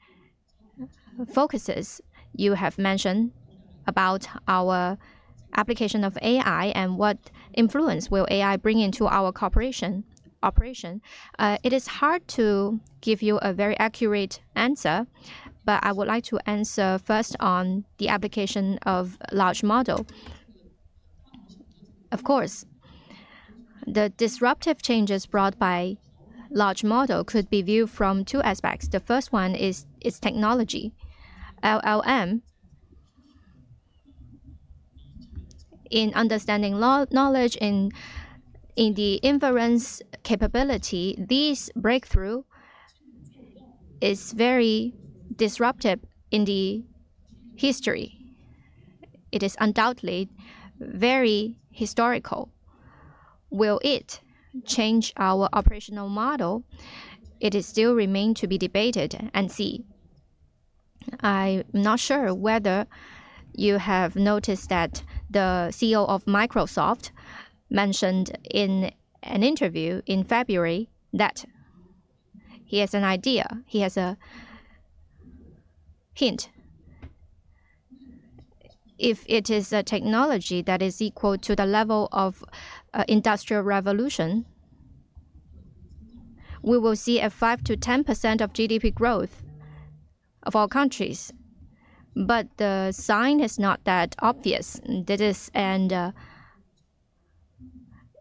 focuses you have mentioned about our application of AI and what influence will AI bring into our corporation operation, it is hard to give you a very accurate answer, but I would like to answer first on the application of large model. Of course, the disruptive changes brought by large model could be viewed from two aspects. The first one is technology. LLM, in understanding knowledge in the inference capability, this breakthrough is very disruptive in the history. It is undoubtedly very historical. Will it change our operational model? It still remains to be debated and see. I'm not sure whether you have noticed that the CEO of Microsoft mentioned in an interview in February that he has an idea, he has a hint. If it is a technology that is equal to the level of industrial revolution, we will see a 5% to 10% of GDP growth of all countries. The sign is not that obvious.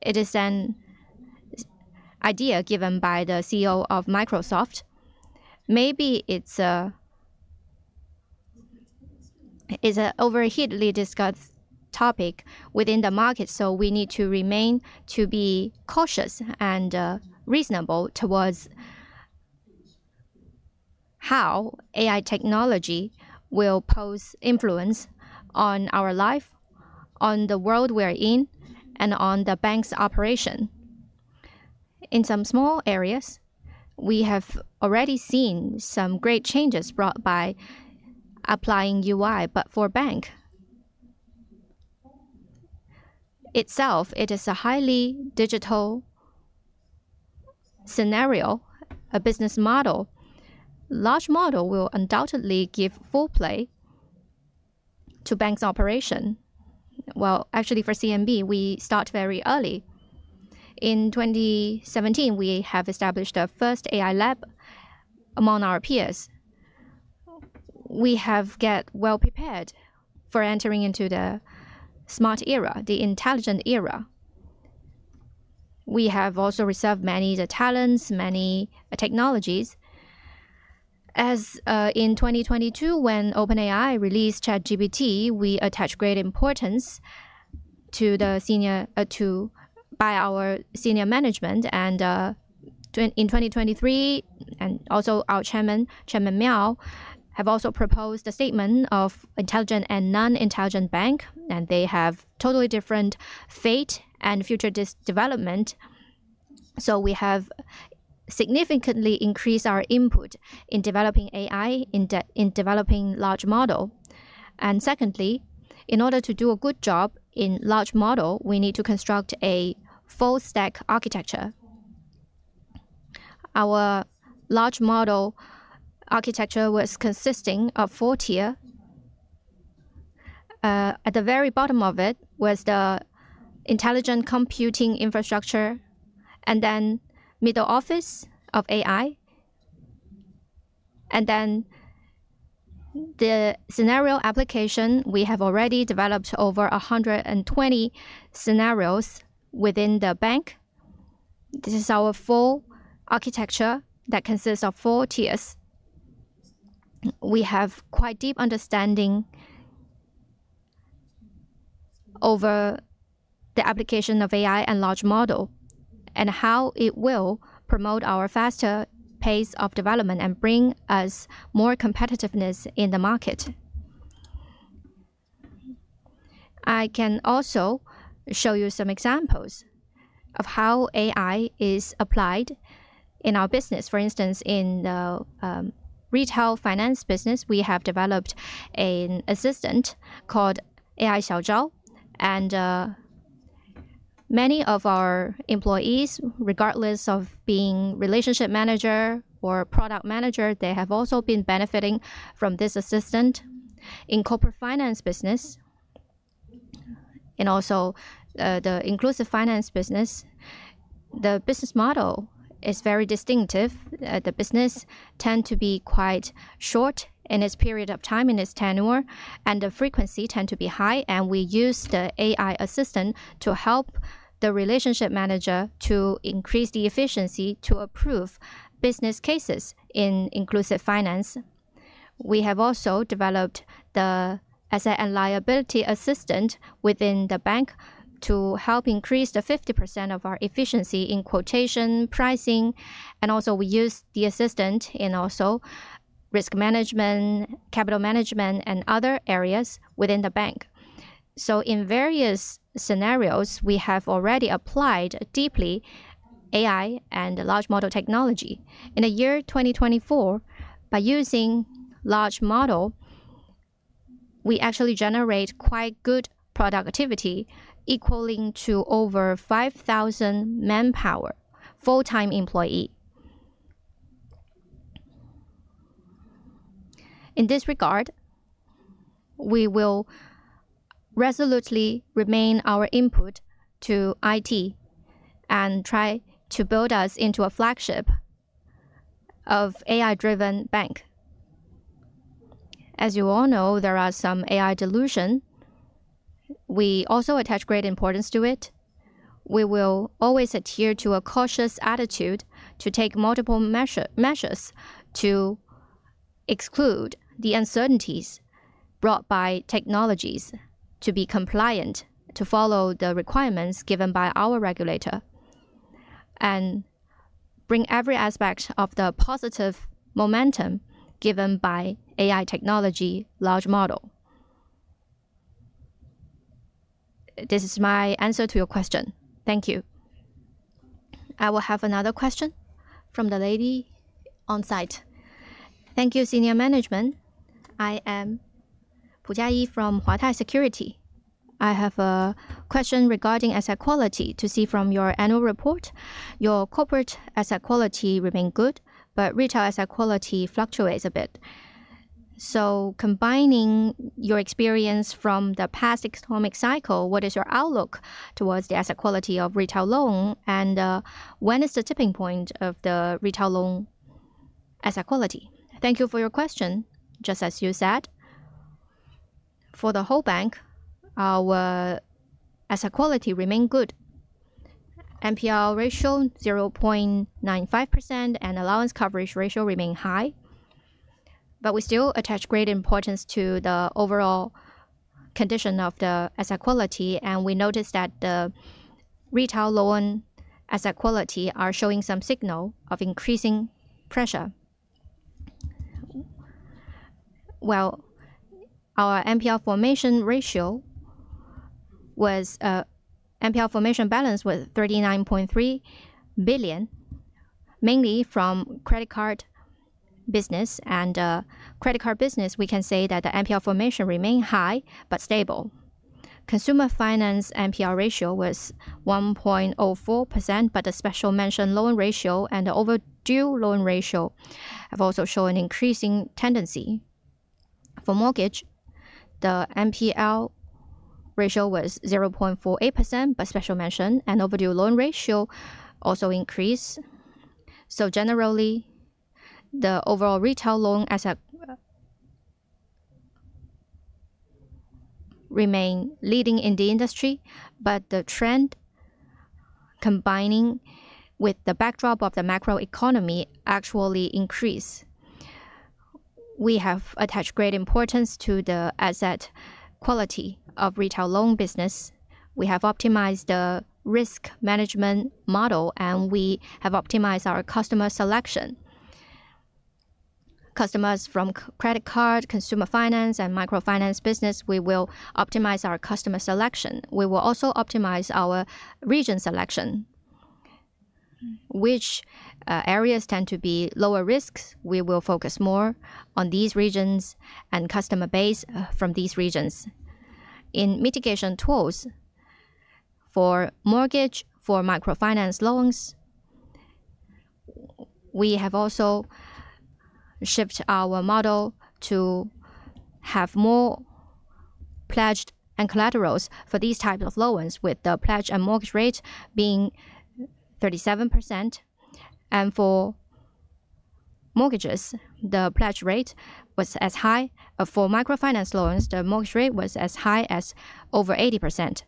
It is an idea given by the CEO of Microsoft. Maybe it's an overheatedly discussed topic within the market, so we need to remain cautious and reasonable towards how AI technology will pose influence on our life, on the world we're in, and on the bank's operation. In some small areas, we have already seen some great changes brought by applying AI, but for the bank itself, it is a highly digital scenario, a business model. Large model will undoubtedly give full play to bank's operation. Actually, for CMB, we start very early. In 2017, we have established the first AI lab among our peers. We have got well prepared for entering into the smart era, the intelligent era. We have also reserved many talents, many technologies. As in 2022, when OpenAI released ChatGPT, we attached great importance to our senior management. In 2023, our Chairman, Chairman Miao, also proposed the statement of intelligent and non-intelligent bank, and they have totally different fate and future development. We have significantly increased our input in developing AI, in developing large model. Secondly, in order to do a good job in large model, we need to construct a full-stack architecture. Our large model architecture was consisting of four tier. At the very bottom of it was the intelligent computing infrastructure, and then middle office of AI. Then the scenario application, we have already developed over 120 scenarios within the bank. This is our full architecture that consists of four tiers. We have quite deep understanding over the application of AI and large model and how it will promote our faster pace of development and bring us more competitiveness in the market. I can also show you some examples of how AI is applied in our business. For instance, in the retail finance business, we have developed an assistant called AI Xiao Zhao. Many of our employees, regardless of being relationship manager or product manager, have also been benefiting from this assistant in corporate finance business and also the inclusive finance business. The business model is very distinctive. The business tends to be quite short in its period of time in its tenure, and the frequency tends to be high. We use the AI assistant to help the relationship manager to increase the efficiency to approve business cases in inclusive finance. We have also developed the asset and liability assistant within the bank to help increase the 50% of our efficiency in quotation, pricing. We use the assistant in risk management, capital management, and other areas within the bank. In various scenarios, we have already applied deeply AI and large model technology. In the year 2024, by using large model, we actually generate quite good productivity equaling to over 5,000 manpower, full-time employee. In this regard, we will resolutely remain our input to IT and try to build us into a flagship of AI-driven bank. As you all know, there are some AI delusions. We also attach great importance to it. We will always adhere to a cautious attitude to take multiple measures to exclude the uncertainties brought by technologies to be compliant, to follow the requirements given by our regulator, and bring every aspect of the positive momentum given by AI technology, large model. This is my answer to your question. Thank you. I will have another question from the lady on site. Thank you, senior management. I am Pu Jiayi from Huatai Securities. I have a question regarding asset quality. To see from your annual report, your corporate asset quality remains good, but retail asset quality fluctuates a bit. Combining your experience from the past economic cycle, what is your outlook towards the asset quality of retail loan? When is the tipping point of the retail loan asset quality? Thank you for your question. Just as you said, for the whole bank, our asset quality remains good. NPL ratio 0.95% and allowance coverage ratio remain high. We still attach great importance to the overall condition of the asset quality. We noticed that the retail loan asset quality is showing some signal of increasing pressure. Our MPR formation ratio was MPR formation balance was 39.3 billion, mainly from credit card business. Credit card business, we can say that the MPR formation remained high but stable. Consumer finance MPR ratio was 1.04%, but the special mention loan ratio and the overdue loan ratio have also shown increasing tendency. For mortgage, the NPL ratio was 0.48%, but special mention and overdue loan ratio also increased. Generally, the overall retail loan asset remained leading in the industry, but the trend combining with the backdrop of the macro economy actually increased. We have attached great importance to the asset quality of retail loan business. We have optimized the risk management model, and we have optimized our customer selection. Customers from credit card, consumer finance, and microfinance business, we will optimize our customer selection. We will also optimize our region selection. Which areas tend to be lower risks? We will focus more on these regions and customer base from these regions. In mitigation tools for mortgage, for microfinance loans, we have also shifted our model to have more pledged and collaterals for these types of loans, with the pledged and mortgage rate being 37%. For mortgages, the pledged rate was as high. For microfinance loans, the mortgage rate was as high as over 80%.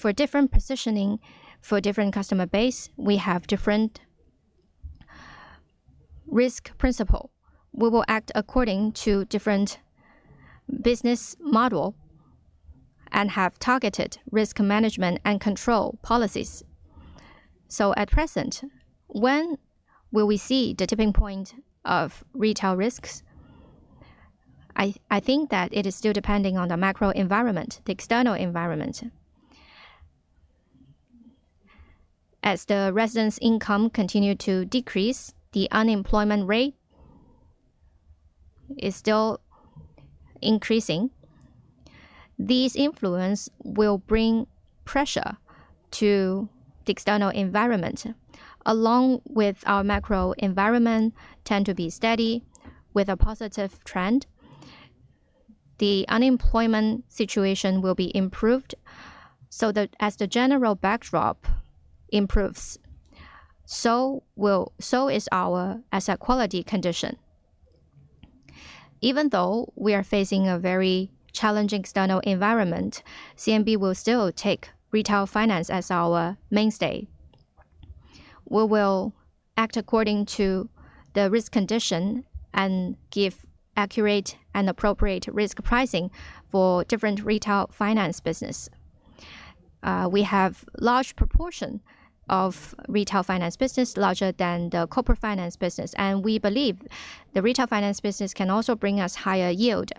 For different positioning, for different customer base, we have different risk principle. We will act according to different business model and have targeted risk management and control policies. At present, when will we see the tipping point of retail risks? I think that it is still depending on the macro environment, the external environment. As the residents' income continues to decrease, the unemployment rate is still increasing. These influences will bring pressure to the external environment, along with our macro environment tending to be steady with a positive trend. The unemployment situation will be improved so that as the general backdrop improves, so is our asset quality condition. Even though we are facing a very challenging external environment, CMB will still take retail finance as our mainstay. We will act according to the risk condition and give accurate and appropriate risk pricing for different retail finance business. We have a large proportion of retail finance business larger than the corporate finance business. We believe the retail finance business can also bring us higher yield.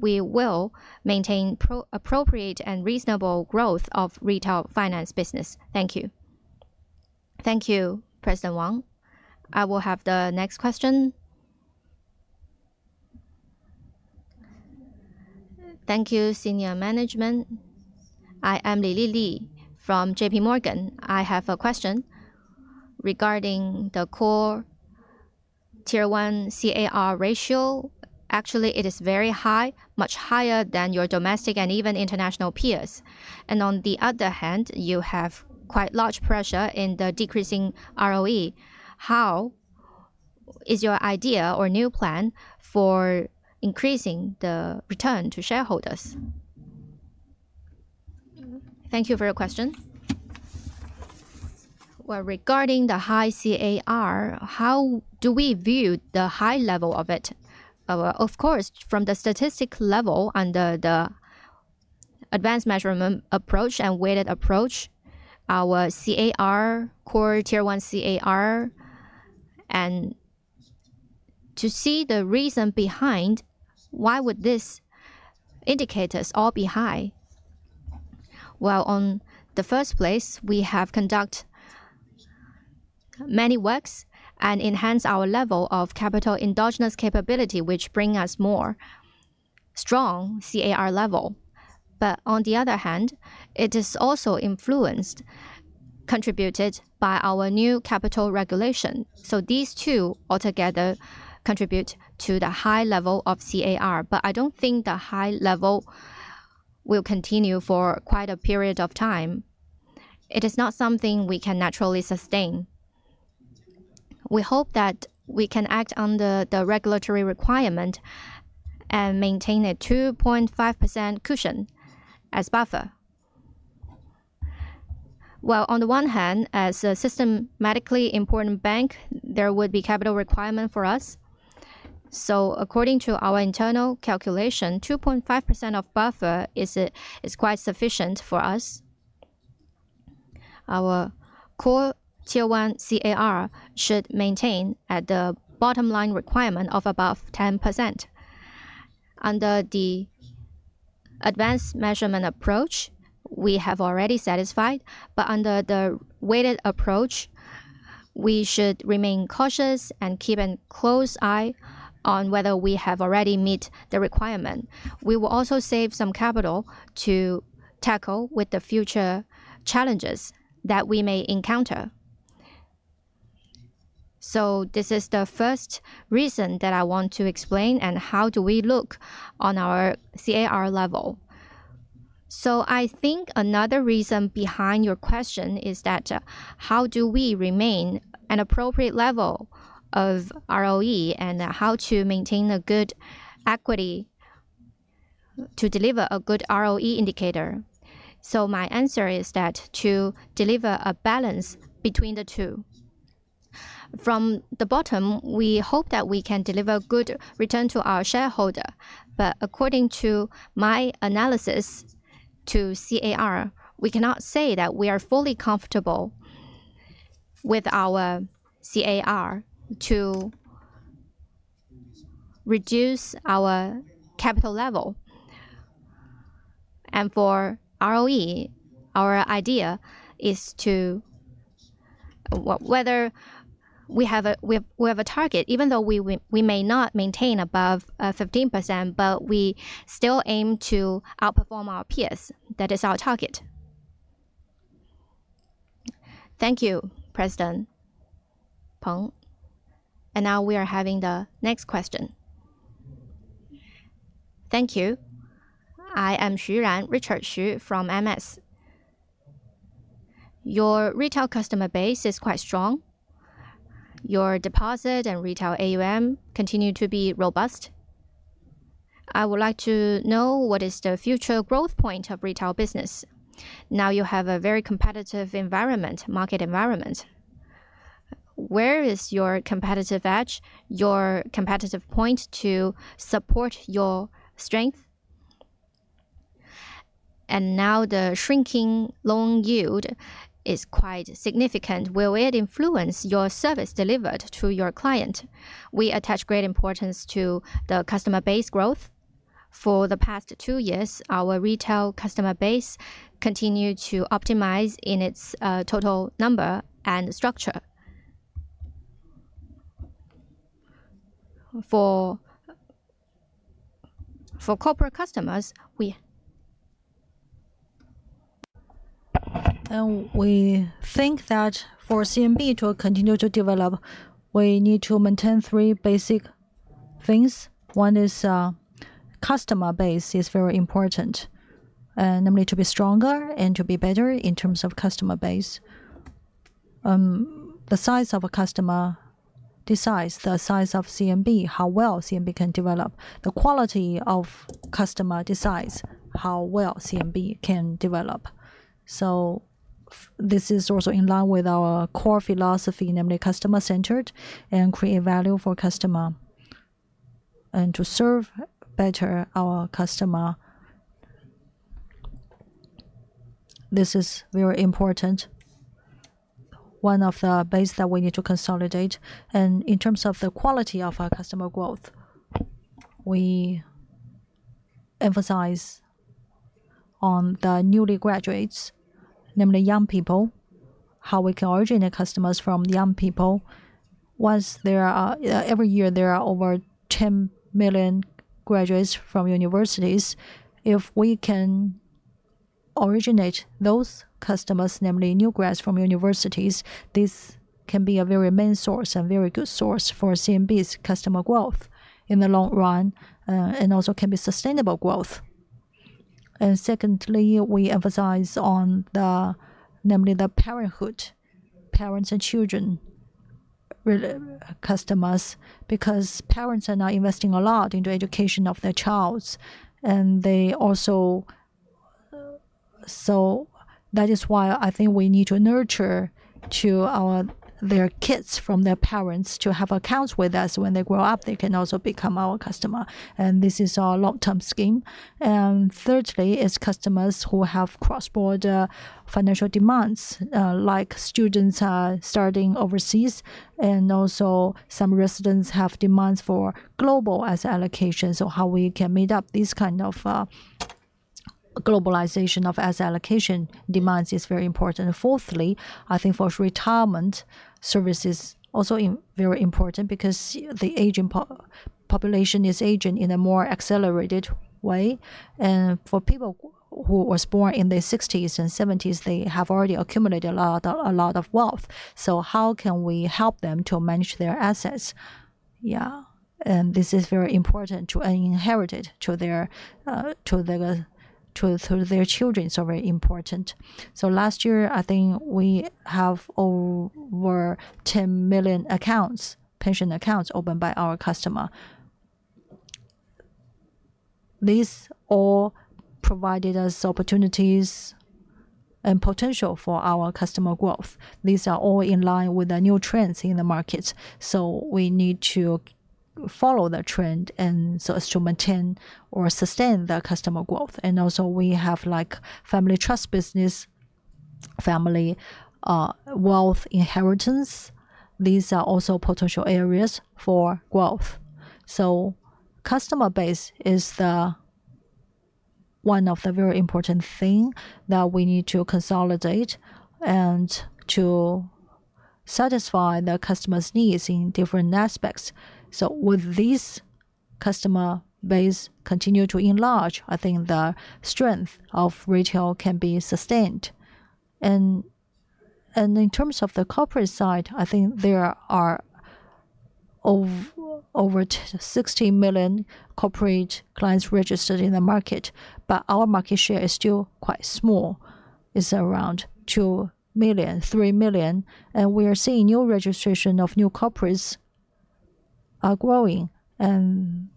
We will maintain appropriate and reasonable growth of retail finance business. Thank you. Thank you, President Wang. I will have the next question. Thank you, senior management. I am Lily from JPMorgan. I have a question regarding the core tier one CAR ratio. Actually, it is very high, much higher than your domestic and even international peers. On the other hand, you have quite large pressure in the decreasing ROE. How is your idea or new plan for increasing the return to shareholders? Thank you for your question. Regarding the high CAR, how do we view the high level of it? Of course, from the statistic level under the advanced measurement approach and weighted approach, our CAR, core tier one CAR, and to see the reason behind why would these indicators all be high. In the first place, we have conducted many works and enhanced our level of capital endogenous capability, which brings us more strong CAR level. On the other hand, it is also influenced, contributed by our new capital regulation. These two altogether contribute to the high level of CAR. I do not think the high level will continue for quite a period of time. It is not something we can naturally sustain. We hope that we can act under the regulatory requirement and maintain a 2.5% cushion as buffer. On the one hand, as a systematically important bank, there would be capital requirement for us. According to our internal calculation, 2.5% of buffer is quite sufficient for us. Our core tier one CAR should maintain at the bottom line requirement of above 10%. Under the advanced measurement approach, we have already satisfied. Under the weighted approach, we should remain cautious and keep a close eye on whether we have already met the requirement. We will also save some capital to tackle with the future challenges that we may encounter. This is the first reason that I want to explain and how do we look on our CAR level. I think another reason behind your question is that how do we remain at an appropriate level of ROE and how to maintain a good equity to deliver a good ROE indicator. My answer is that to deliver a balance between the two. From the bottom, we hope that we can deliver good return to our shareholder. According to my analysis to CAR, we cannot say that we are fully comfortable with our CAR to reduce our capital level. For ROE, our idea is to whether we have a target, even though we may not maintain above 15%, but we still aim to outperform our peers. That is our target. Thank you, President Peng. We are having the next question. Thank you. I am Xu Ran, Richard Xu from MS. Your retail customer base is quite strong. Your deposit and retail AUM continue to be robust. I would like to know what is the future growth point of retail business. You have a very competitive environment, market environment. Where is your competitive edge, your competitive point to support your strength? Now the shrinking loan yield is quite significant. Will it influence your service delivered to your client? We attach great importance to the customer base growth. For the past two years, our retail customer base continued to optimize in its total number and structure. For corporate customers, we think that for CMB to continue to develop, we need to maintain three basic things. One is customer base is very important, namely to be stronger and to be better in terms of customer base. The size of a customer decides the size of CMB, how well CMB can develop. The quality of customer decides how well CMB can develop. This is also in line with our core philosophy, namely customer-centered and create value for customer and to serve better our customer. This is very important. One of the bases that we need to consolidate. In terms of the quality of our customer growth, we emphasize on the newly graduates, namely young people, how we can originate customers from young people. Every year, there are over 10 million graduates from universities. If we can originate those customers, namely new grads from universities, this can be a very main source and very good source for CMB's customer growth in the long run and also can be sustainable growth. Secondly, we emphasize namely the parenthood, parents and children customers, because parents are now investing a lot into education of their child. That is why I think we need to nurture their kids from their parents to have accounts with us. When they grow up, they can also become our customer. This is our long-term scheme. Thirdly, it is customers who have cross-border financial demands, like students studying overseas. Also, some residents have demands for global asset allocation. How we can meet up this kind of globalization of asset allocation demands is very important. Fourthly, I think retirement services are also very important because the aging population is aging in a more accelerated way. For people who were born in the 1960s and 1970s, they have already accumulated a lot of wealth. How can we help them to manage their assets? Yeah. This is very important to inherit it to their children. Very important. Last year, I think we have over 10 million accounts, pension accounts opened by our customer. These all provided us opportunities and potential for our customer growth. These are all in line with the new trends in the market. We need to follow the trend so as to maintain or sustain the customer growth. We have family trust business, family wealth inheritance. These are also potential areas for growth. Customer base is one of the very important things that we need to consolidate and to satisfy the customer's needs in different aspects. With these customer base continuing to enlarge, I think the strength of retail can be sustained. In terms of the corporate side, I think there are over 60 million corporate clients registered in the market. Our market share is still quite small. It is around two million, three million. We are seeing new registration of new corporates are growing. That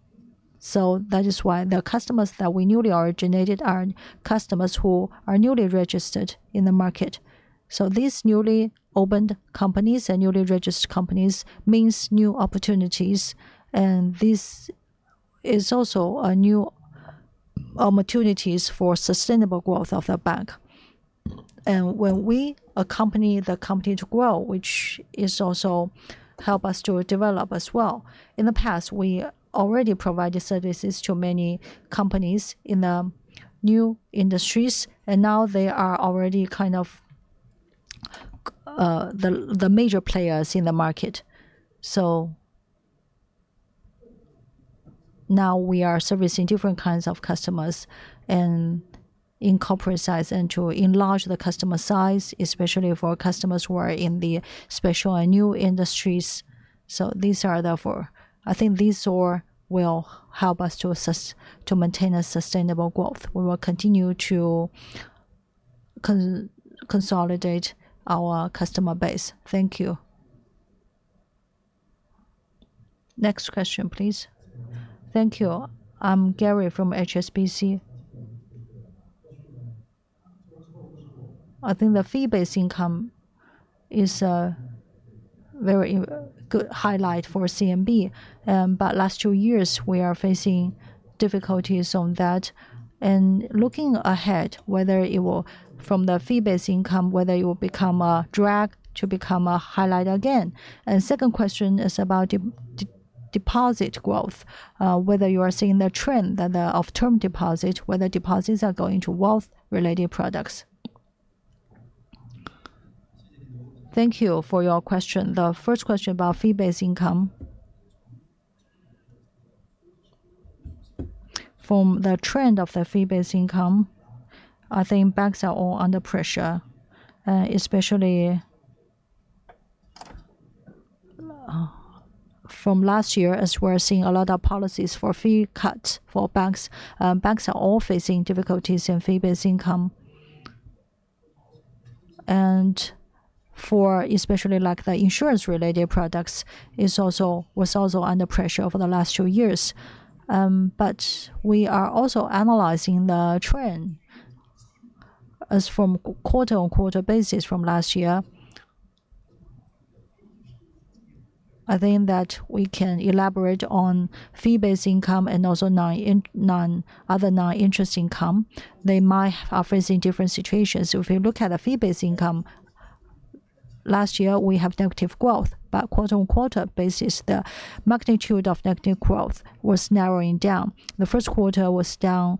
is why the customers that we newly originated are customers who are newly registered in the market. These newly opened companies and newly registered companies mean new opportunities. This is also new opportunities for sustainable growth of the bank. When we accompany the company to grow, which also helps us to develop as well. In the past, we already provided services to many companies in the new industries. Now they are already kind of the major players in the market. Now we are servicing different kinds of customers and incorporate size and to enlarge the customer size, especially for customers who are in the special and new industries. Therefore, I think these will help us to maintain a sustainable growth. We will continue to consolidate our customer base. Thank you. Next question, please. Thank you. I'm Gary from HSBC. I think the fee-based income is a very good highlight for CMB. Last two years, we are facing difficulties on that. Looking ahead, whether it will, from the fee-based income, whether it will become a drag to become a highlight again. Second question is about deposit growth, whether you are seeing the trend of term deposit, whether deposits are going to wealth-related products. Thank you for your question. The first question about fee-based income. From the trend of the fee-based income, I think banks are all under pressure, especially from last year as we're seeing a lot of policies for fee cuts for banks. Banks are all facing difficulties in fee-based income. For especially like the insurance-related products, it was also under pressure for the last two years. We are also analyzing the trend as from quarter-on-quarter basis from last year. I think that we can elaborate on fee-based income and also other non-interest income. They might are facing different situations. If you look at the fee-based income, last year we have negative growth. On a quarter-on-quarter basis, the magnitude of negative growth was narrowing down. The first quarter was down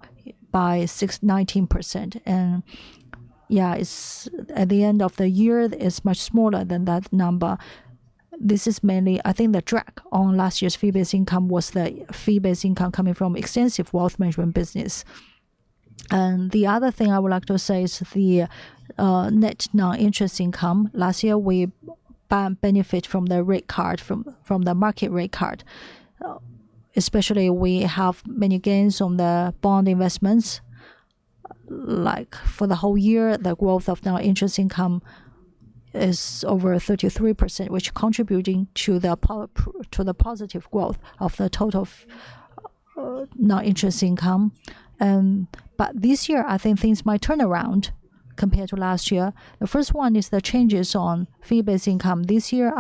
by 19%. At the end of the year, it is much smaller than that number. This is mainly, I think, the drag on last year's fee-based income was the fee-based income coming from extensive wealth management business. The other thing I would like to say is the net non-interest income. Last year, we benefited from the rate card, from the market rate card. Especially we have many gains on the bond investments. Like for the whole year, the growth of non-interest income is over 33%, which is contributing to the positive growth of the total non-interest income. This year, I think things might turn around compared to last year. The first one is the changes on fee-based income. This year,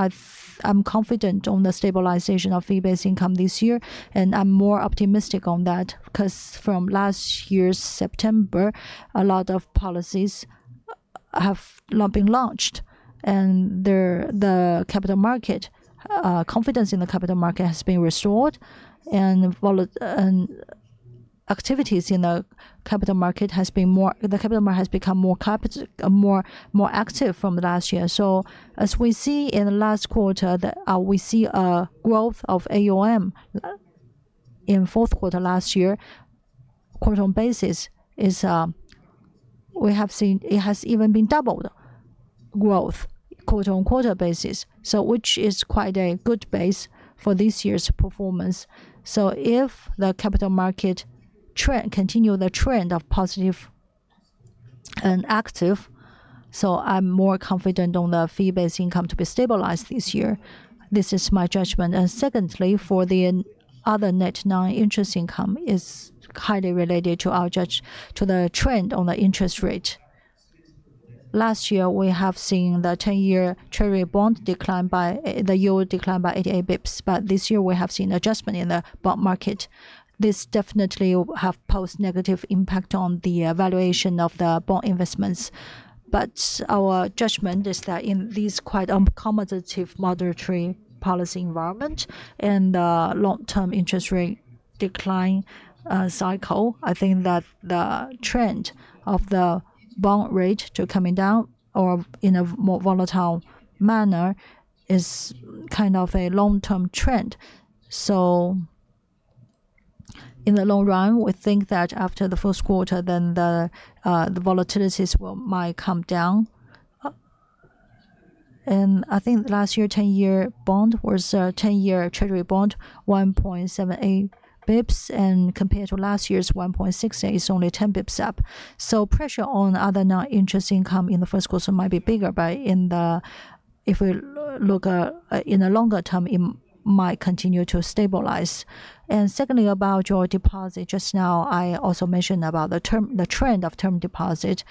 I'm confident on the stabilization of fee-based income this year. I'm more optimistic on that because from last year's September, a lot of policies have been launched. The capital market, confidence in the capital market has been restored. Activities in the capital market have become more active from last year. As we see in the last quarter, we see a growth of AUM in fourth quarter last year. Quarter-on-basis is we have seen it has even been doubled growth quarter-on-quarter basis, which is quite a good base for this year's performance. If the capital market trend continues the trend of positive and active, I am more confident on the fee-based income to be stabilized this year. This is my judgment. Secondly, for the other net non-interest income, it is highly related to our judgment to the trend on the interest rate. Last year, we have seen the 10-year Treasury bond yield declined by 88 bps. This year, we have seen adjustment in the bond market. This definitely has posed negative impact on the valuation of the bond investments. But our judgment is that in this quite accommodative monetary policy environment and the long-term interest rate decline cycle, I think that the trend of the bond rate coming down or in a more volatile manner is kind of a long-term trend. In the long run, we think that after the first quarter, the volatilities might come down. I think last year's 10-year bond was 10-year Treasury bond, 1.78 bps. Compared to last year's 1.68, it's only 10 bps up. Pressure on other non-interest income in the first quarter might be bigger. If we look in the longer term, it might continue to stabilize. Secondly, about your deposit just now, I also mentioned about the trend of term deposit.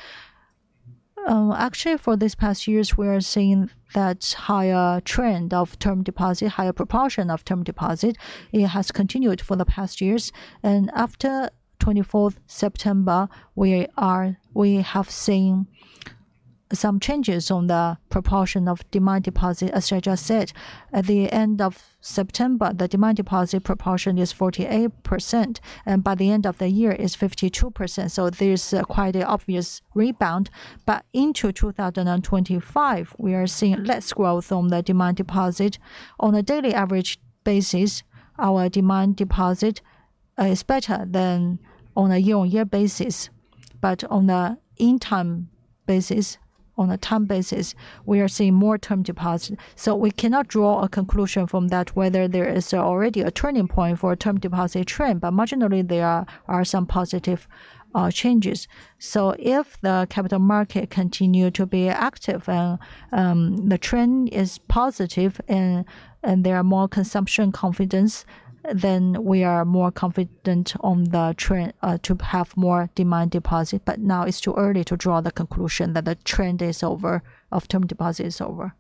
Actually, for these past years, we are seeing that higher trend of term deposit, higher proportion of term deposit. It has continued for the past years. After 24th September, we have seen some changes on the proportion of demand deposit. As I just said, at the end of September, the demand deposit proportion is 48%. By the end of the year, it's 52%. There is quite an obvious rebound. Into 2025, we are seeing less growth on the demand deposit. On a daily average basis, our demand deposit is better than on a year-on-year basis. On the in-time basis, on a time basis, we are seeing more term deposit. We cannot draw a conclusion from that whether there is already a turning point for a term deposit trend. Marginally, there are some positive changes. If the capital market continues to be active and the trend is positive and there is more consumption confidence, then we are more confident on the trend to have more demand deposit. Now it is too early to draw the conclusion that the trend of term deposit is over.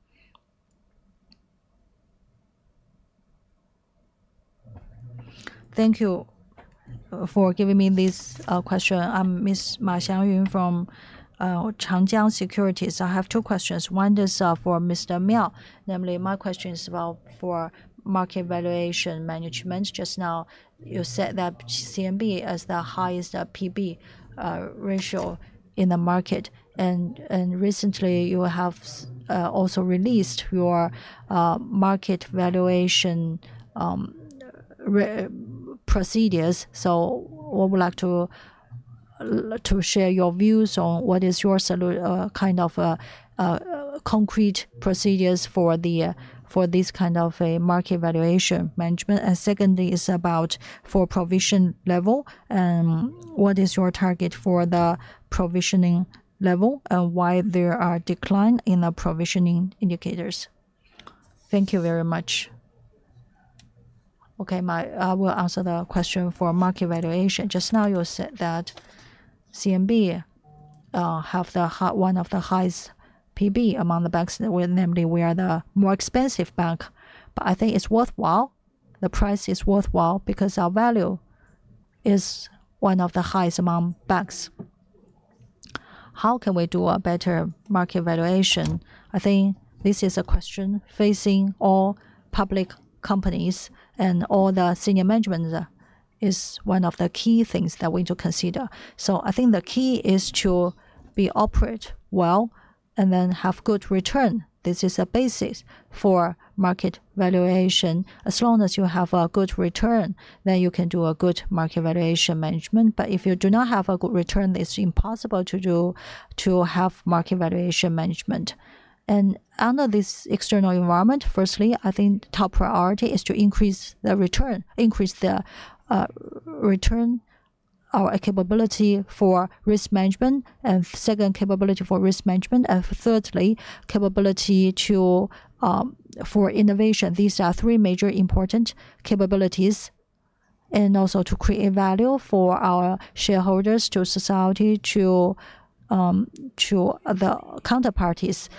Thank you for giving me this question. I am Ms. Ma Xiangyun from Changjiang Securities. I have two questions. One is for Mr. Miao. Namely, my question is about market valuation management. Just now, you said that CMB has the highest PB ratio in the market. Recently, you have also released your market valuation procedures. I would like to share your views on what is your kind of concrete procedures for this kind of market valuation management. Secondly, it is about provision level. What is your target for the provisioning level and why are there declines in the provisioning indicators? Thank you very much. Okay. I will answer the question for market valuation. Just now, you said that CMB have one of the highest PB among the banks. Namely, we are the more expensive bank. I think it is worthwhile. The price is worthwhile because our value is one of the highest among banks. How can we do a better market valuation? I think this is a question facing all public companies and all the senior management is one of the key things that we need to consider. I think the key is to operate well and then have good return. This is a basis for market valuation. As long as you have a good return, then you can do a good market valuation management. If you do not have a good return, it's impossible to have market valuation management. Under this external environment, firstly, I think top priority is to increase the return, increase the return or capability for risk management, and second, capability for risk management. Thirdly, capability for innovation. These are three major important capabilities and also to create value for our shareholders, to society, to the counterparties.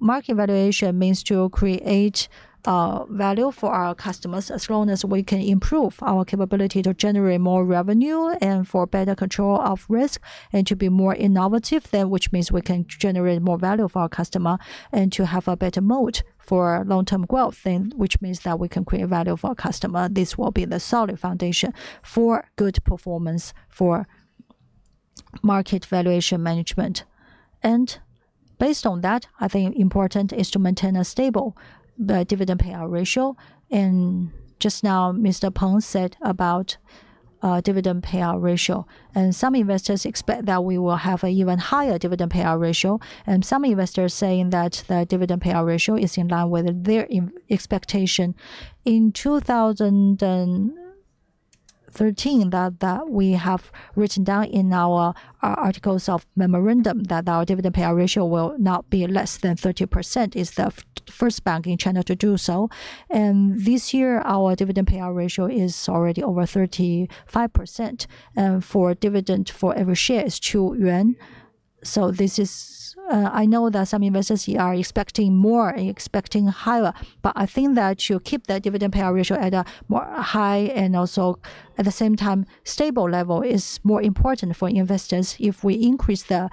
Market valuation means to create value for our customers as long as we can improve our capability to generate more revenue and for better control of risk and to be more innovative, which means we can generate more value for our customer and to have a better moat for long-term growth, which means that we can create value for our customer. This will be the solid foundation for good performance for market valuation management. Based on that, I think important is to maintain a stable dividend payout ratio. Just now, Mr. Peng said about dividend payout ratio. Some investors expect that we will have an even higher dividend payout ratio. Some investors saying that the dividend payout ratio is in line with their expectation. In 2013, we have written down in our articles of memorandum that our dividend payout ratio will not be less than 30%. It is the first bank in China to do so. This year, our dividend payout ratio is already over 35%. For dividend for every share is 2 yuan. I know that some investors are expecting more, expecting higher. I think that to keep that dividend payout ratio at a more high and also at the same time stable level is more important for investors. If we increase the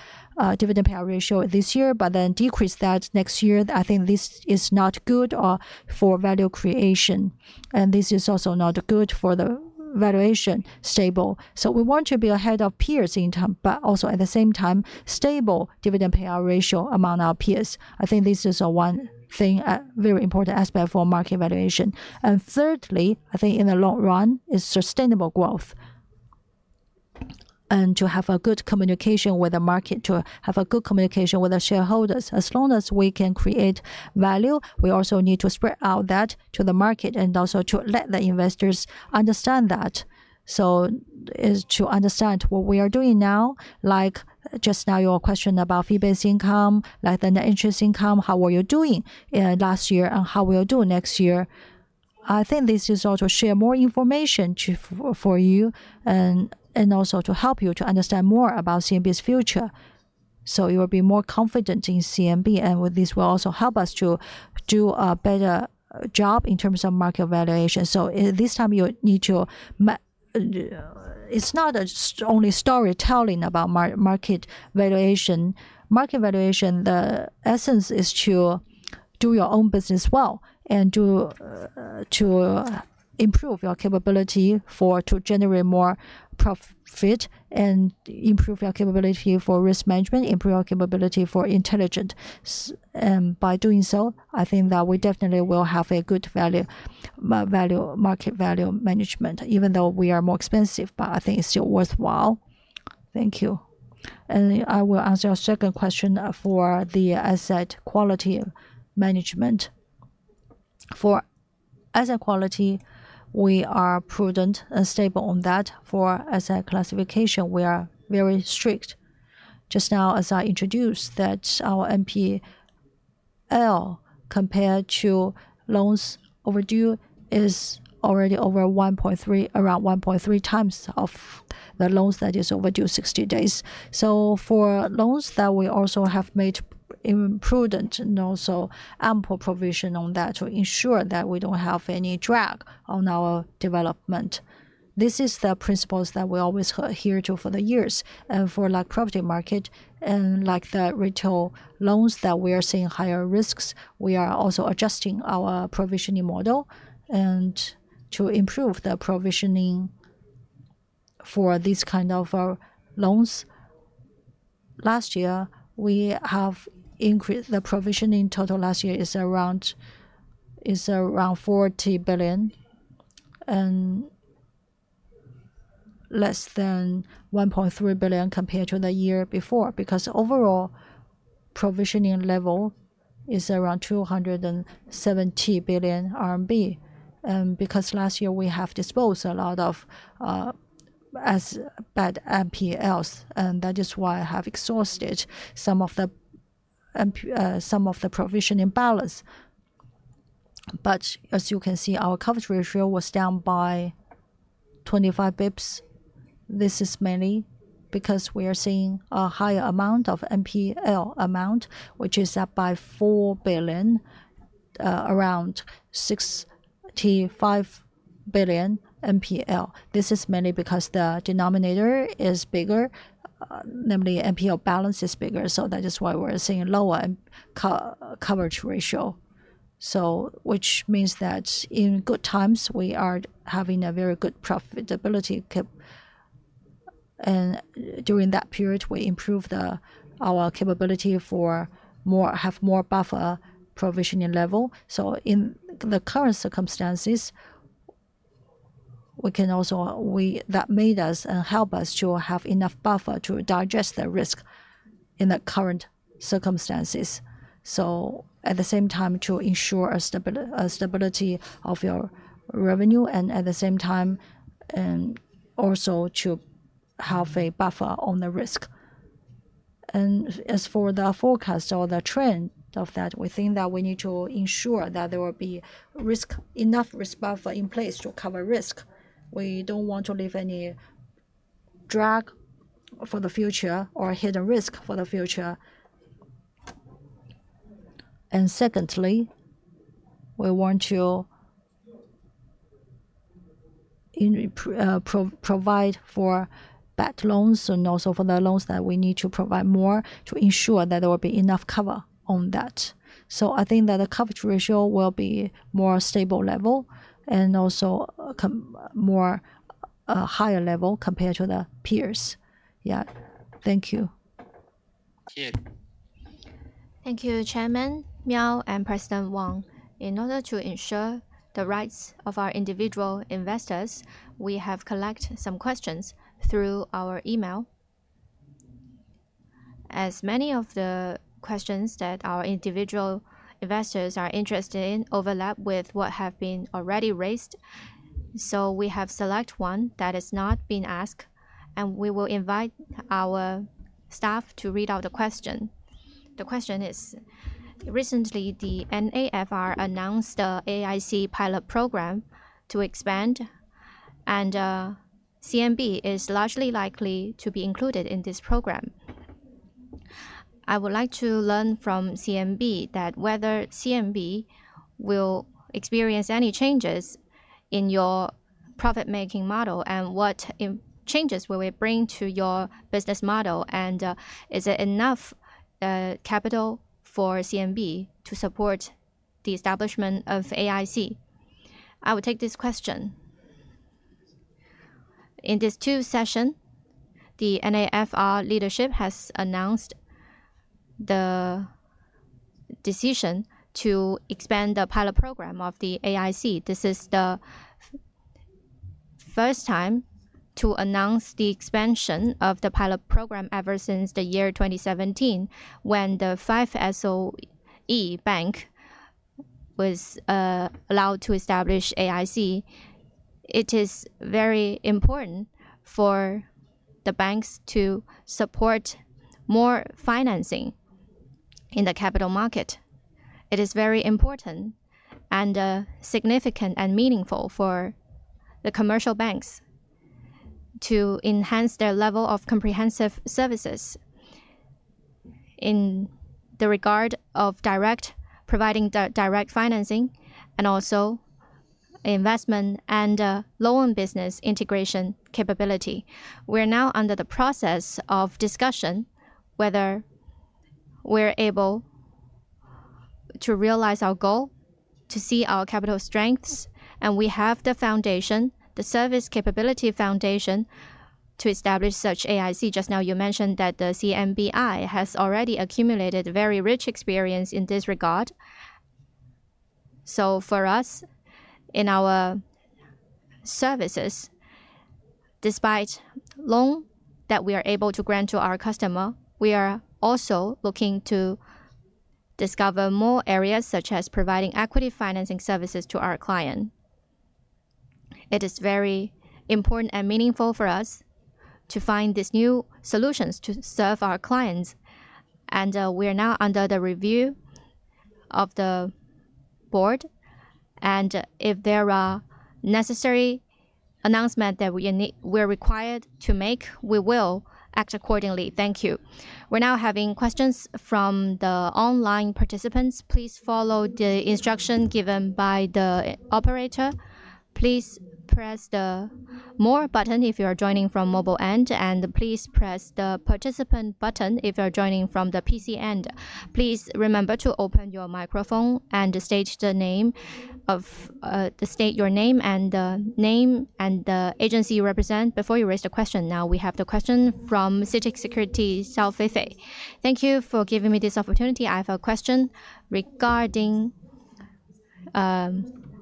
dividend payout ratio this year, but then decrease that next year, I think this is not good for value creation. This is also not good for the valuation stable. We want to be ahead of peers in term, but also at the same time stable dividend payout ratio among our peers. I think this is one thing, a very important aspect for market valuation. Thirdly, I think in the long run is sustainable growth. To have a good communication with the market, to have a good communication with the shareholders. As long as we can create value, we also need to spread out that to the market and also to let the investors understand that. To understand what we are doing now, like just now your question about fee-based income, like the net interest income, how were you doing last year and how will you do next year. I think this is also to share more information for you and also to help you to understand more about CMB's future. You will be more confident in CMB. This will also help us to do a better job in terms of market valuation. This time you need to, it's not only storytelling about market valuation. Market valuation, the essence is to do your own business well and to improve your capability to generate more profit and improve your capability for risk management, improve your capability for intelligent. By doing so, I think that we definitely will have a good market value management, even though we are more expensive. I think it's still worthwhile. Thank you. I will answer your second question for the asset quality management. For asset quality, we are prudent and stable on that. For asset classification, we are very strict. Just now, as I introduced, our NPL compared to loans overdue is already over 1.3, around 1.3 times of the loans that are overdue 60 days. For loans, we also have made prudent and ample provision on that to ensure that we do not have any drag on our development. This is the principle that we always adhere to for the years. For property market and the retail loans that we are seeing higher risks, we are also adjusting our provisioning model to improve the provisioning for these kinds of loans. Last year, we have increased the provisioning. Total last year is around 40 billion and less than 1.3 billion compared to the year before because overall provisioning level is around 270 billion RMB. Because last year we have disposed a lot of bad NPLs. That is why I have exhausted some of the provisioning balance. As you can see, our coverage ratio was down by 25 bps. This is mainly because we are seeing a higher amount of NPL amount, which is up by 4 billion, around 65 billion MPL. This is mainly because the denominator is bigger, namely, NPL balance is bigger. That is why we're seeing lower coverage ratio, which means that in good times, we are having a very good profitability. During that period, we improve our capability for more, have more buffer provisioning level. In the current circumstances, we can also say that made us and help us to have enough buffer to digest the risk in the current circumstances. At the same time, to ensure a stability of your revenue and at the same time, also to have a buffer on the risk. As for the forecast or the trend of that, we think that we need to ensure that there will be enough risk buffer in place to cover risk. We do not want to leave any drag for the future or hidden risk for the future. Secondly, we want to provide for backed loans and also for the loans that we need to provide more to ensure that there will be enough cover on that. I think that the coverage ratio will be more stable level and also more higher level compared to the peers. Yeah. Thank you. Thank you, Chairman Miao and President Wang. In order to ensure the rights of our individual investors, we have collected some questions through our email. As many of the questions that our individual investors are interested in overlap with what have been already raised, we have selected one that has not been asked. We will invite our staff to read out the question. The question is, recently, the NFRA announced the AIC pilot program to expand, and CMB is largely likely to be included in this program. I would like to learn from CMB whether CMB will experience any changes in your profit-making model and what changes will it bring to your business model, and is it enough capital for CMB to support the establishment of AIC. I will take this question. In this two session, the NFRA leadership has announced the decision to expand the pilot program of the AIC. This is the first time to announce the expansion of the pilot program ever since the year 2017 when the 5 SOE bank was allowed to establish AIC. It is very important for the banks to support more financing in the capital market. It is very important and significant and meaningful for the commercial banks to enhance their level of comprehensive services in the regard of providing direct financing and also investment and loan business integration capability. We are now under the process of discussion whether we're able to realize our goal, to see our capital strengths. And we have the foundation, the service capability foundation to establish such AIC. Just now, you mentioned that the CMBI has already accumulated very rich experience in this regard. For us, in our services, despite loan that we are able to grant to our customer, we are also looking to discover more areas such as providing equity financing services to our client. It is very important and meaningful for us to find these new solutions to serve our clients. We are now under the review of the board. If there are necessary announcements that we are required to make, we will act accordingly. Thank you. We are now having questions from the online participants. Please follow the instruction given by the operator. Please press the more button if you are joining from mobile end. Please press the participant button if you are joining from the PC end. Please remember to open your microphone and state your name and the name and the agency you represent before you raise the question. Now, we have the question from CITIC Securities, Zhao Feifei. Thank you for giving me this opportunity. I have a question regarding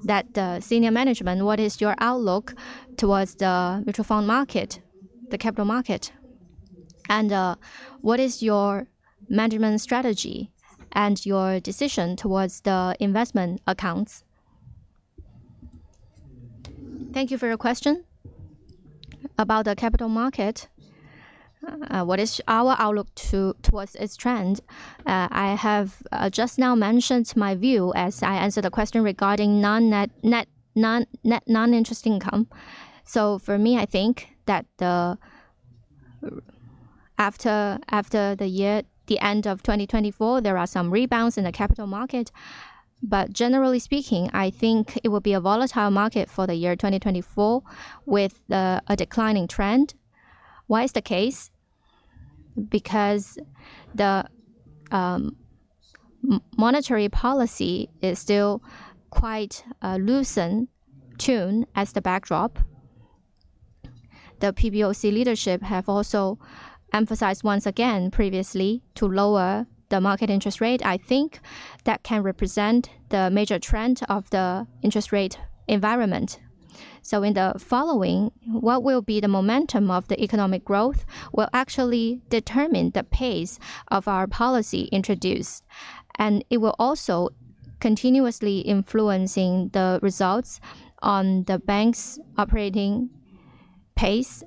that senior management. What is your outlook towards the mutual fund market, the capital market? What is your management strategy and your decision towards the investment accounts? Thank you for your question about the capital market. What is our outlook towards its trend? I have just now mentioned my view as I answered the question regarding non-interest income. For me, I think that after the end of 2024, there are some rebounds in the capital market. Generally speaking, I think it will be a volatile market for the year 2024 with a declining trend. Why is this the case? Because the monetary policy is still quite loosened tune as the backdrop. The PBOC leadership have also emphasized once again previously to lower the market interest rate. I think that can represent the major trend of the interest rate environment. In the following, what will be the momentum of the economic growth will actually determine the pace of our policy introduced. It will also continuously influence the results on the bank's operating pace.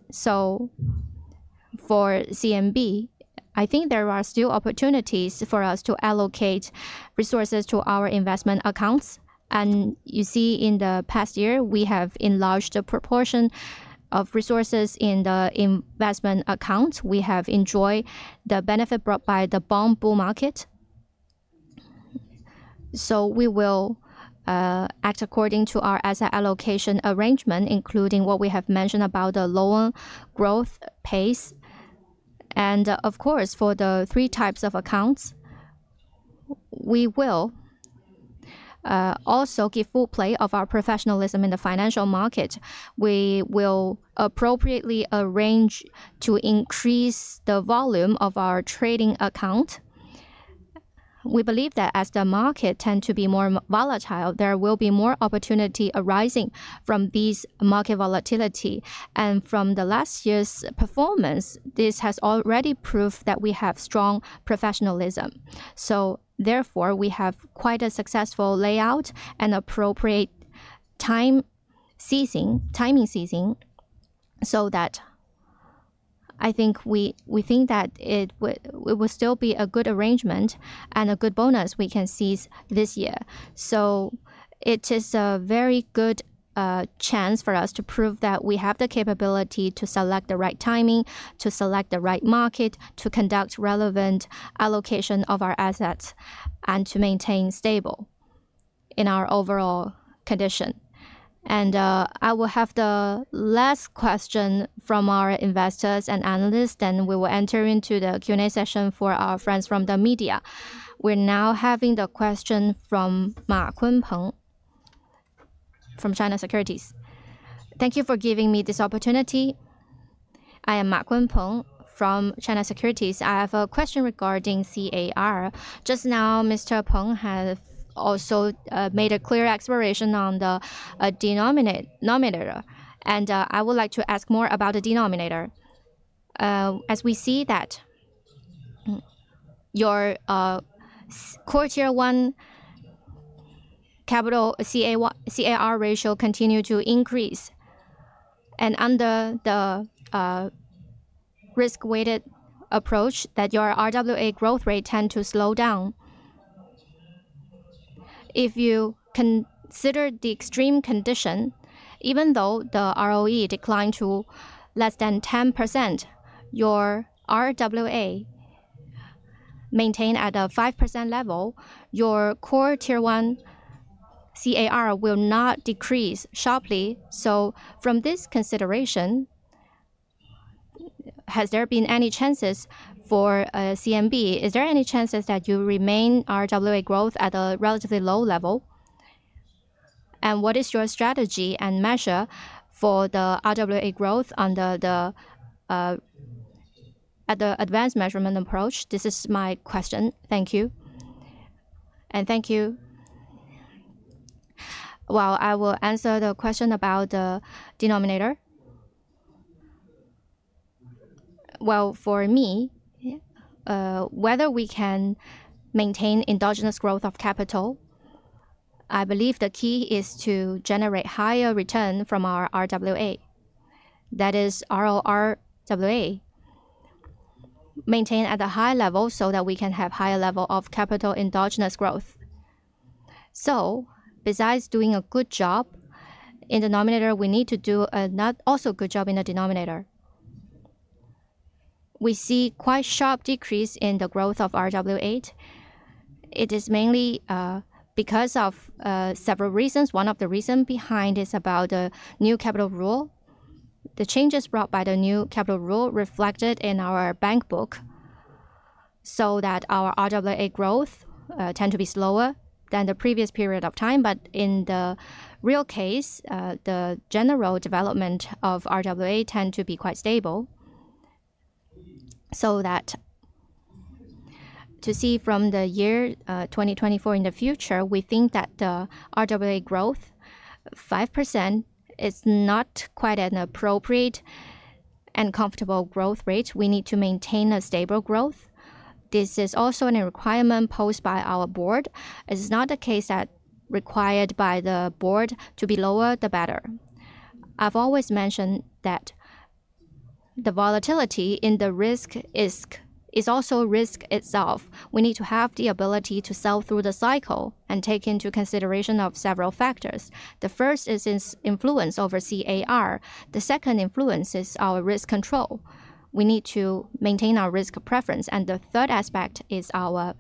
For CMB, I think there are still opportunities for us to allocate resources to our investment accounts. You see in the past year, we have enlarged the proportion of resources in the investment accounts. We have enjoyed the benefit brought by the bond bull market. We will act according to our asset allocation arrangement, including what we have mentioned about the loan growth pace. Of course, for the three types of accounts, we will also give full play of our professionalism in the financial market. We will appropriately arrange to increase the volume of our trading account. We believe that as the market tends to be more volatile, there will be more opportunity arising from this market volatility. From last year's performance, this has already proved that we have strong professionalism. Therefore, we have quite a successful layout and appropriate timing season. I think we think that it will still be a good arrangement and a good bonus we can seize this year. It is a very good chance for us to prove that we have the capability to select the right timing, to select the right market, to conduct relevant allocation of our assets, and to maintain stable in our overall condition. I will have the last question from our investors and analysts. We will enter into the Q&A session for our friends from the media. We are now having the question from Ma Kunpeng from China Securities. Thank you for giving me this opportunity. I am Ma Kunpeng from China Securities. I have a question regarding CAR. Just now, Mr. Peng has also made a clear exploration on the denominator. I would like to ask more about the denominator. As we see that your quarter one capital CAR ratio continued to increase and under the risk-weighted approach that your RWA growth rate tends to slow down. If you consider the extreme condition, even though the ROE declined to less than 10%, your RWA maintained at a 5% level, your quarter one CAR will not decrease sharply. From this consideration, has there been any chances for CMB? Is there any chances that you remain RWA growth at a relatively low level? What is your strategy and measure for the RWA growth under the advanced measurement approach? This is my question. Thank you. Thank you. I will answer the question about the denominator. For me, whether we can maintain endogenous growth of capital, I believe the key is to generate higher return from our RWA. That is RORWA maintained at a high level so that we can have higher level of capital endogenous growth. Besides doing a good job in the denominator, we need to do another also good job in the denominator. We see quite sharp decrease in the growth of RWA. It is mainly because of several reasons. One of the reasons behind is about the new capital rule. The changes brought by the new capital rule reflected in our bankbook so that our RWA growth tends to be slower than the previous period of time. In the real case, the general development of RWA tends to be quite stable. To see from the year 2024 in the future, we think that the RWA growth 5% is not quite an appropriate and comfortable growth rate. We need to maintain a stable growth. This is also a requirement posed by our board. It is not the case that required by the board to be lower, the better. I have always mentioned that the volatility in the risk is also risk itself. We need to have the ability to sell through the cycle and take into consideration several factors. The first is influence over CAR. The second influence is our risk control. We need to maintain our risk preference. The third aspect is our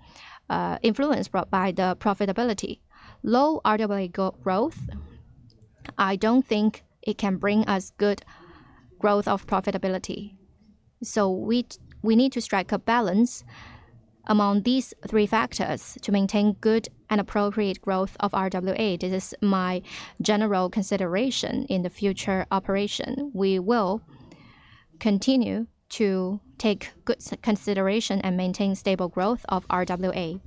influence brought by the profitability. Low RWA growth, I do not think it can bring us good growth of profitability. We need to strike a balance among these three factors to maintain good and appropriate growth of RWA. This is my general consideration in the future operation. We will continue to take good consideration and maintain stable growth of RWA.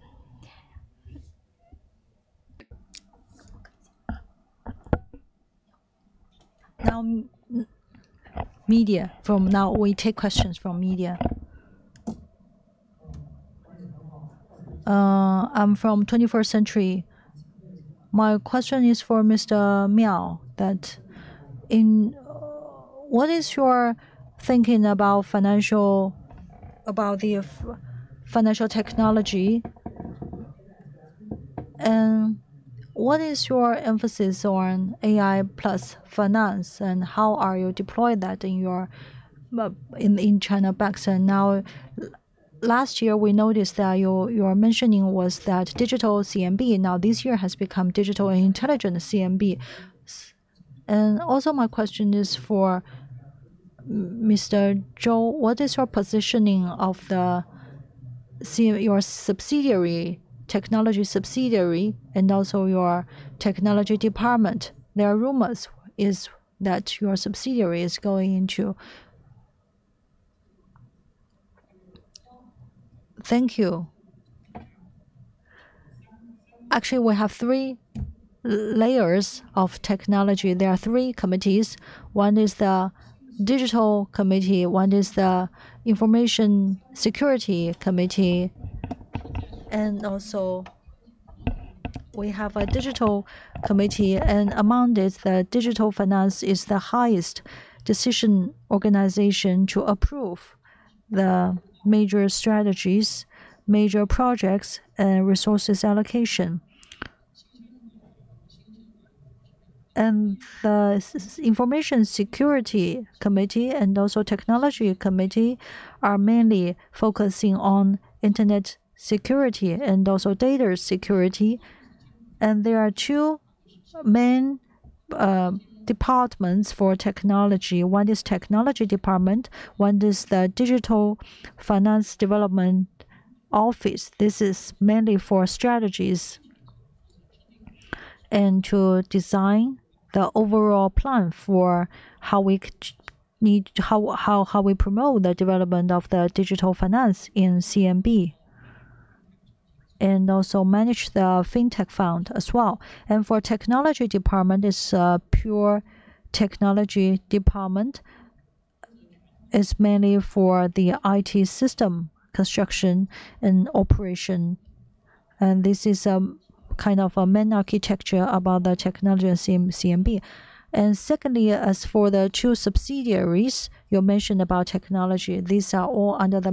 Now, media from now, we take questions from media. I'm from 21st Century. My question is for Mr. Miao, what is your thinking about financial technology? What is your emphasis on AI Plus finance? How are you deploying that in China back then? Last year, we noticed that you were mentioning was that digital CMB. This year has become digital and intelligent CMB. My question is for Mr. Zhou, what is your positioning of your subsidiary, technology subsidiary, and also your technology department? There are rumors that your subsidiary is going into. Thank you. Actually, we have three layers of technology. There are three committees. One is the digital committee. One is the information security committee. Also, we have a digital committee. Among this, the digital finance is the highest decision organization to approve the major strategies, major projects, and resources allocation. The information security committee and also technology committee are mainly focusing on internet security and also data security. There are two main departments for technology. One is technology department. One is the digital finance development office. This is mainly for strategies and to design the overall plan for how we promote the development of the digital finance in CMB and also manage the fintech fund as well. For technology department, it is a pure technology department. It is mainly for the IT system construction and operation. This is a kind of a main architecture about the technology CMB. Secondly, as for the two subsidiaries you mentioned about technology, these are all under the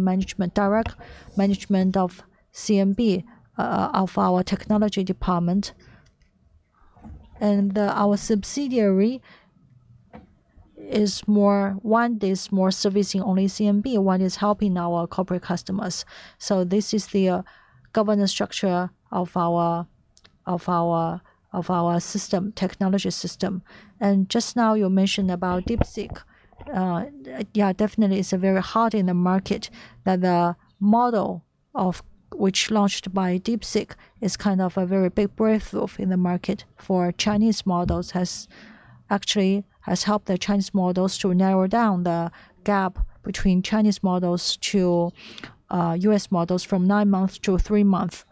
direct management of CMB, of our technology department. Our subsidiary is more, one is more servicing only CMB, one is helping our corporate customers. This is the governance structure of our system, technology system. Just now you mentioned about DeepSeek. Yeah, definitely, it's very hot in the market that the model which launched by DeepSeek is kind of a very big breakthrough in the market for Chinese models, has actually helped the Chinese models to narrow down the gap between Chinese models to U.S. models from nine months to three months.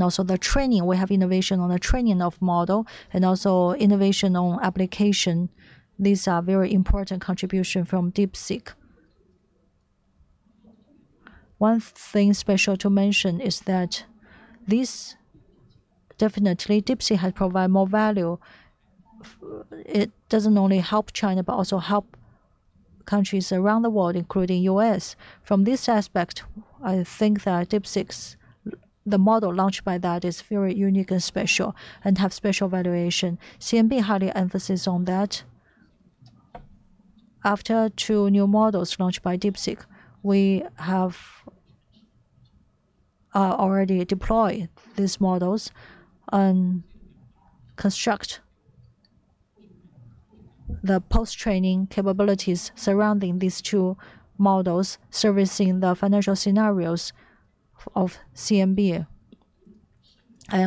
Also, the training, we have innovation on the training of model and also innovation on application. These are very important contributions from DeepSeek. One thing special to mention is that this definitely, DeepSeek has provided more value. It doesn't only help China but also help countries around the world, including the U.S. From this aspect, I think that DeepSeek's model launched by that is very unique and special and has special valuation. CMB highly emphasizes on that. After two new models launched by DeepSeek, we have already deployed these models and constructed the post-training capabilities surrounding these two models servicing the financial scenarios of CMB.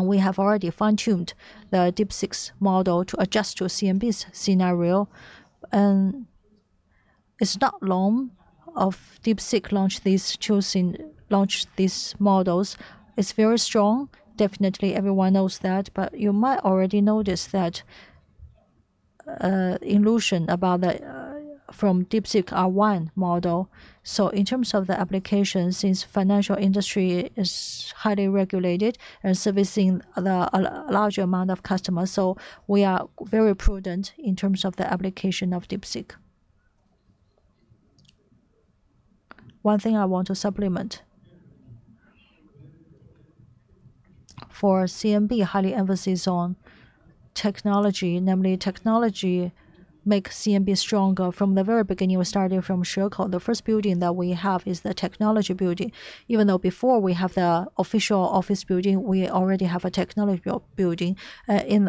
We have already fine-tuned the DeepSeek's model to adjust to CMB's scenario. It's not long of DeepSeek launched these models. It's very strong. Definitely, everyone knows that. You might already notice that illusion about the from DeepSeek R1 model. In terms of the application, since the financial industry is highly regulated and servicing a large amount of customers, we are very prudent in terms of the application of DeepSeek. One thing I want to supplement. For CMB, highly emphasizes on technology, namely technology makes CMB stronger. From the very beginning, we started from Shekou. The first building that we have is the technology building. Even though before we have the official office building, we already have a technology building. In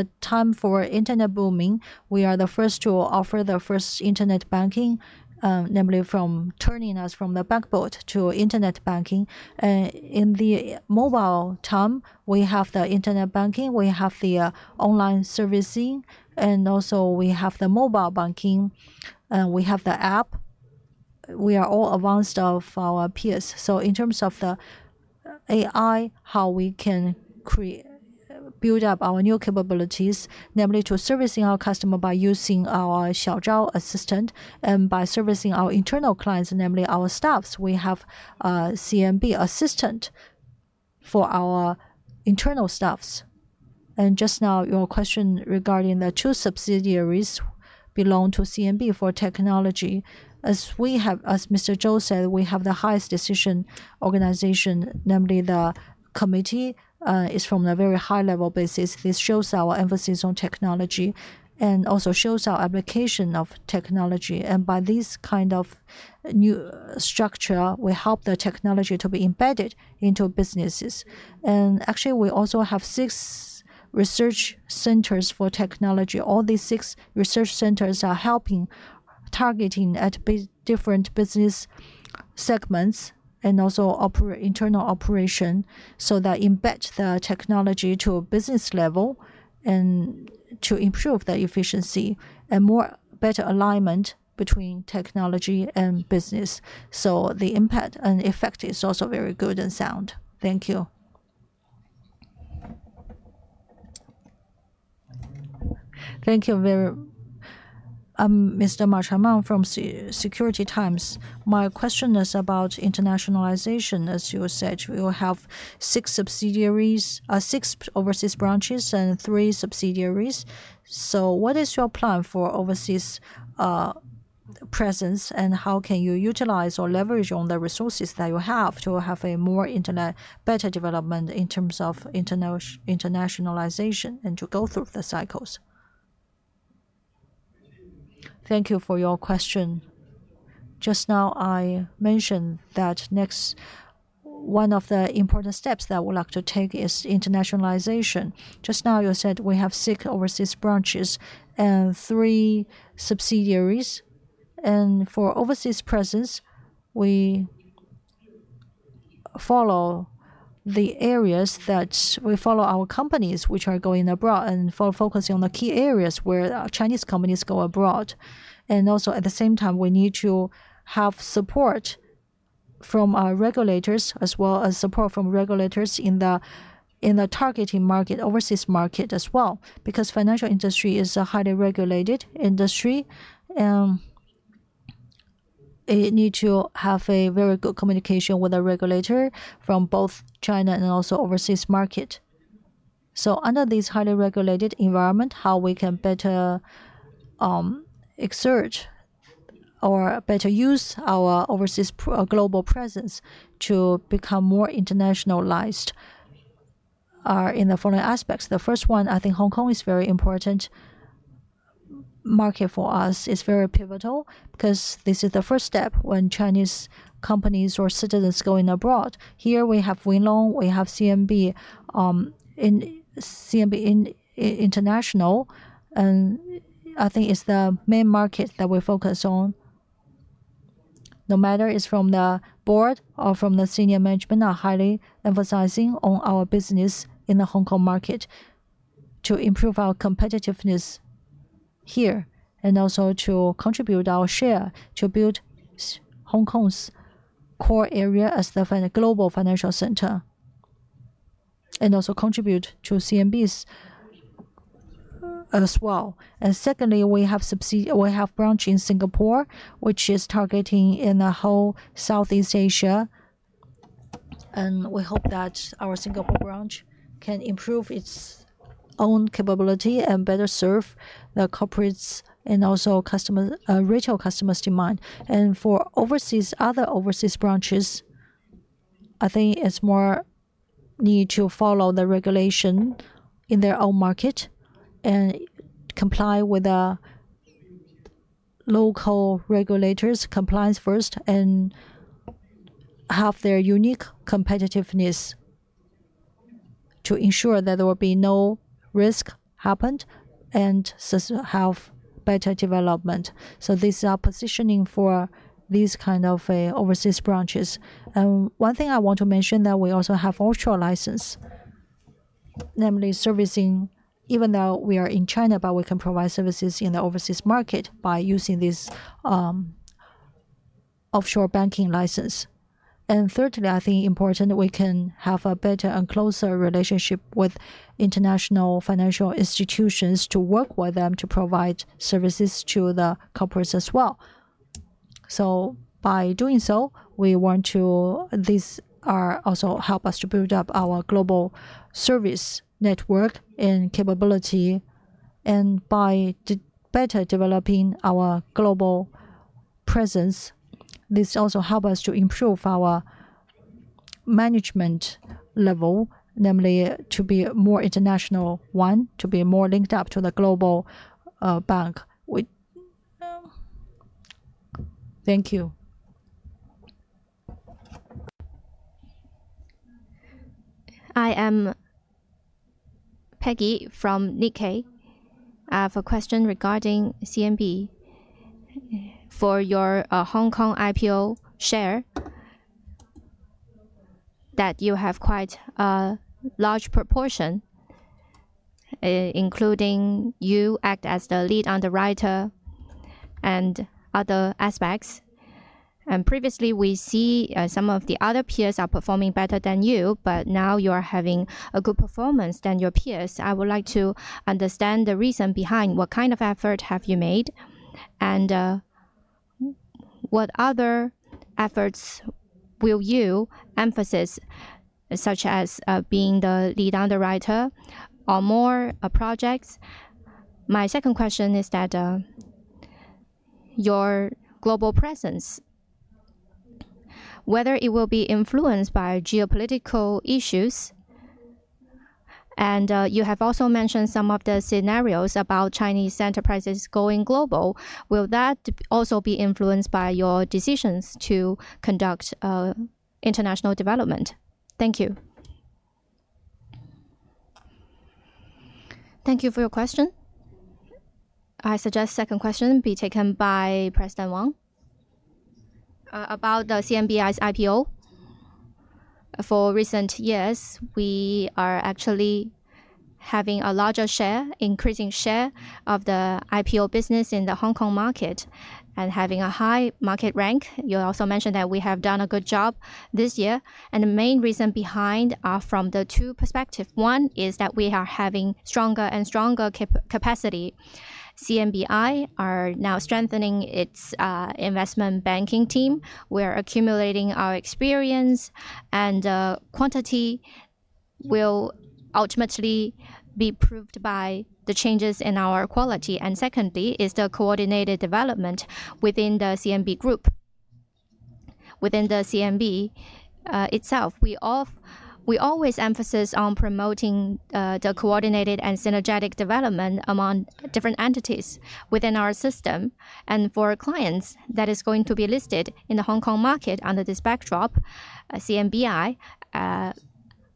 the time for internet booming, we are the first to offer the first internet banking, namely from turning us from the bank board to internet banking. In the mobile time, we have the internet banking. We have the online servicing. Also we have the mobile banking. We have the app. We are all advanced of our peers. In terms of the AI, how we can build up our new capabilities, namely to servicing our customer by using our Xiaozhou Assistant and by servicing our internal clients, namely our staffs, we have CMB Assistant for our internal staffs. Just now, your question regarding the two subsidiaries belonging to CMB for technology. As Mr. Zhou said, we have the highest decision organization, namely the committee is from a very high-level basis. This shows our emphasis on technology and also shows our application of technology. By this kind of new structure, we help the technology to be embedded into businesses. Actually, we also have six research centers for technology. All these six research centers are helping, targeting at different business segments and also internal operation so that embed the technology to business level and to improve the efficiency and more better alignment between technology and business. The impact and effect is also very good and sound. Thank you. Thank you very much. I'm Mr. Ma Chaomang from Securities Times. My question is about internationalization, as you said. We will have six overseas branches and three subsidiaries. What is your plan for overseas presence and how can you utilize or leverage on the resources that you have to have a more better development in terms of internationalization and to go through the cycles? Thank you for your question. Just now, I mentioned that one of the important steps that we'd like to take is internationalization. Just now, you said we have six overseas branches and three subsidiaries. For overseas presence, we follow the areas that we follow our companies which are going abroad and focusing on the key areas where Chinese companies go abroad. Also at the same time, we need to have support from our regulators as well as support from regulators in the targeting market, overseas market as well. Because financial industry is a highly regulated industry, and it needs to have a very good communication with a regulator from both China and also overseas market. Under this highly regulated environment, how we can better exert or better use our overseas global presence to become more internationalized in the following aspects. The first one, I think Hong Kong is very important market for us. It's very pivotal because this is the first step when Chinese companies or citizens going abroad. Here we have Wing Lung Bank, we have CMB International, and I think it's the main market that we focus on. No matter if it is from the board or from the senior management, we are highly emphasizing our business in the Hong Kong market to improve our competitiveness here and also to contribute our share to build Hong Kong's core area as the global financial center and also contribute to CMB as well. Secondly, we have a branch in Singapore, which is targeting the whole Southeast Asia. We hope that our Singapore branch can improve its own capability and better serve the corporates and also retail customers' demand. For other overseas branches, I think it is more necessary to follow the regulation in their own market and comply with local regulators, compliance first, and have their unique competitiveness to ensure that there will be no risk and have better development. These are the positioning for these kinds of overseas branches. One thing I want to mention is that we also have an offshore license, namely servicing. Even though we are in China, we can provide services in the overseas market by using this offshore banking license. Thirdly, I think it is important we can have a better and closer relationship with international financial institutions to work with them to provide services to the corporates as well. By doing so, this also helps us to build up our global service network and capability. By better developing our global presence, this also helps us to improve our management level, namely to be a more international one, to be more linked up to the global bank. Thank you. I am Peggy from Nikkei for question regarding CMB for your Hong Kong IPO share that you have quite a large proportion, including you act as the lead underwriter and other aspects. Previously, we see some of the other peers are performing better than you, but now you are having a good performance than your peers. I would like to understand the reason behind what kind of effort have you made and what other efforts will you emphasize, such as being the lead underwriter or more projects. My second question is that your global presence, whether it will be influenced by geopolitical issues, and you have also mentioned some of the scenarios about Chinese enterprises going global, will that also be influenced by your decisions to conduct international development? Thank you. Thank you for your question. I suggest second question be taken by President Wang. About the CMBI's IPO, for recent years, we are actually having a larger share, increasing share of the IPO business in the Hong Kong market and having a high market rank. You also mentioned that we have done a good job this year. The main reason behind are from the two perspectives. One is that we are having stronger and stronger capacity. CMBI are now strengthening its investment banking team. We are accumulating our experience, and the quantity will ultimately be proved by the changes in our quality. Secondly is the coordinated development within the CMB group. Within the CMB itself, we always emphasize on promoting the coordinated and synergetic development among different entities within our system. For clients that is going to be listed in the Hong Kong market under this backdrop, CMBI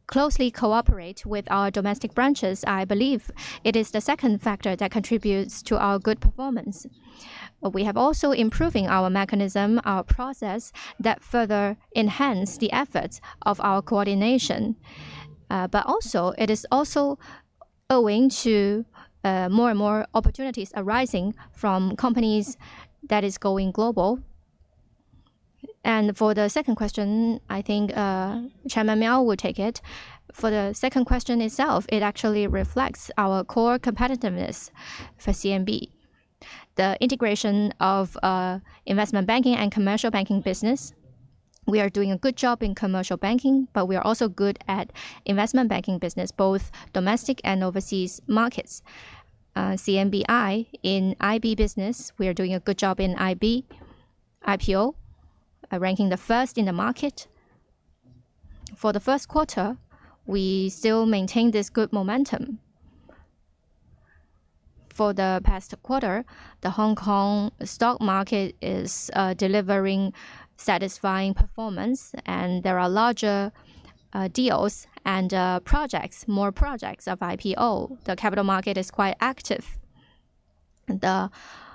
closely cooperates with our domestic branches. I believe it is the second factor that contributes to our good performance. We have also improved our mechanism, our process that further enhance the efforts of our coordination. It is also owing to more and more opportunities arising from companies that are going global. For the second question, I think Chairman Miao will take it. For the second question itself, it actually reflects our core competitiveness for CMB, the integration of investment banking and commercial banking business. We are doing a good job in commercial banking, but we are also good at investment banking business, both domestic and overseas markets. CMBI in IB business, we are doing a good job in IB IPO, ranking the first in the market. For the first quarter, we still maintain this good momentum. For the past quarter, the Hong Kong stock market is delivering satisfying performance, and there are larger deals and more projects of IPO. The capital market is quite active. The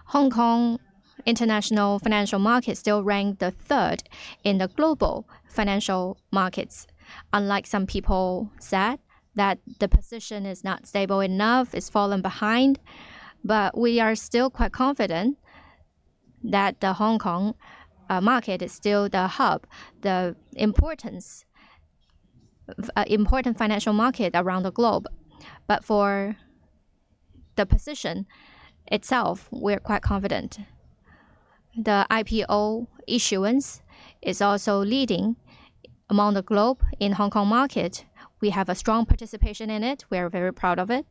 Hong Kong International Financial Market still ranked the third in the global financial markets. Unlike some people said that the position is not stable enough, it's fallen behind. We are still quite confident that the Hong Kong market is still the hub, the important financial market around the globe. For the position itself, we are quite confident. The IPO issuance is also leading among the globe in Hong Kong market. We have a strong participation in it. We are very proud of it.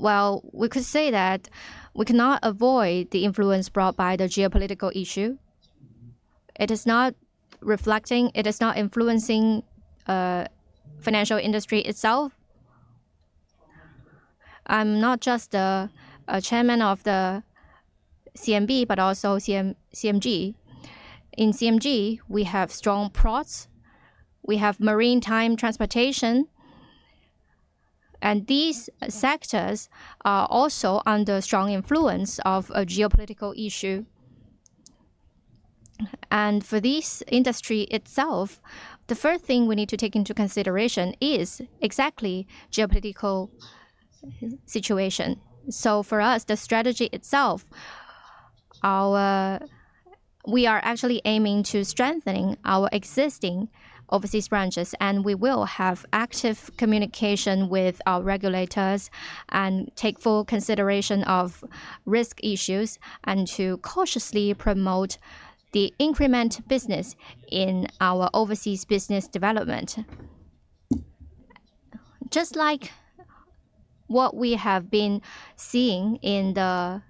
We could say that we cannot avoid the influence brought by the geopolitical issue. It is not reflecting, it is not influencing financial industry itself. I'm not just a chairman of the CMB, but also CMG. In CMG, we have strong prods. We have maritime transportation. These sectors are also under strong influence of a geopolitical issue. For this industry itself, the first thing we need to take into consideration is exactly geopolitical situation. For us, the strategy itself, we are actually aiming to strengthen our existing overseas branches, and we will have active communication with our regulators and take full consideration of risk issues and to cautiously promote the increment business in our overseas business development. Just like what we have been seeing in the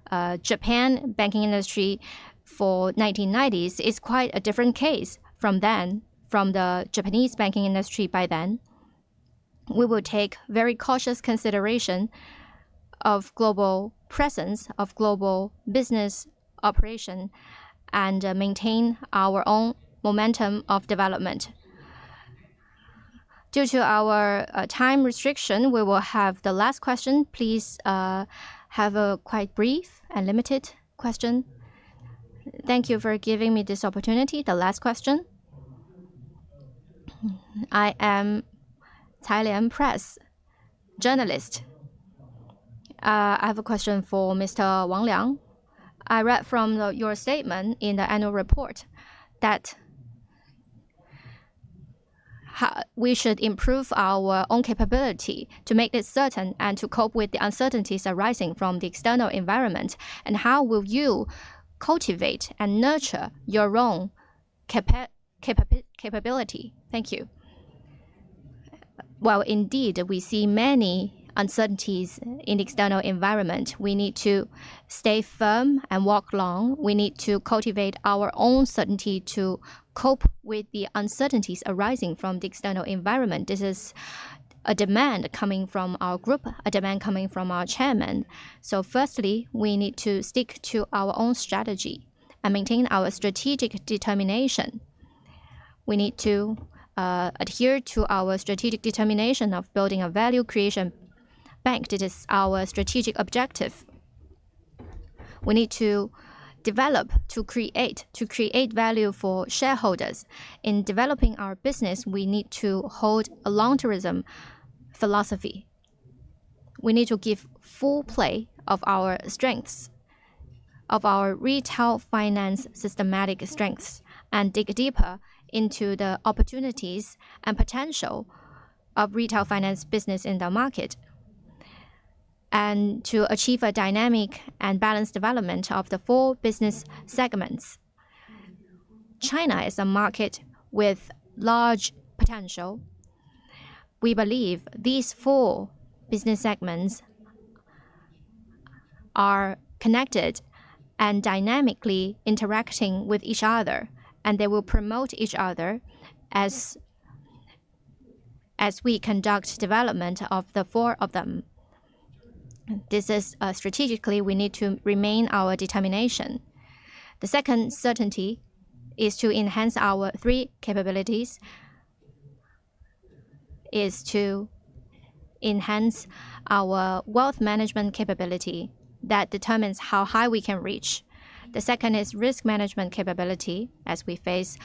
Japan banking industry for the 1990s, it's quite a different case from then, from the Japanese banking industry by then. We will take very cautious consideration of global presence, of global business operation, and maintain our own momentum of development. Due to our time restriction, we will have the last question. Please have a quite brief and limited question. Thank you for giving me this opportunity. The last question. I am Thailand press journalist. I have a question for Mr. Wang Liang. I read from your statement in the annual report that we should improve our own capability to make it certain and to cope with the uncertainties arising from the external environment. How will you cultivate and nurture your own capability? Thank you. Indeed, we see many uncertainties in the external environment. We need to stay firm and walk long. We need to cultivate our own certainty to cope with the uncertainties arising from the external environment. This is a demand coming from our group, a demand coming from our chairman. Firstly, we need to stick to our own strategy and maintain our strategic determination. We need to adhere to our strategic determination of building a value creation bank. This is our strategic objective. We need to develop to create value for shareholders. In developing our business, we need to hold a long-term philosophy. We need to give full play of our strengths, of our retail finance systematic strengths, and dig deeper into the opportunities and potential of retail finance business in the market and to achieve a dynamic and balanced development of the four business segments. China is a market with large potential. We believe these four business segments are connected and dynamically interacting with each other, and they will promote each other as we conduct development of the four of them. This is strategically we need to remain our determination. The second certainty is to enhance our three capabilities is to enhance our wealth management capability that determines how high we can reach. The second is risk management capability. As we face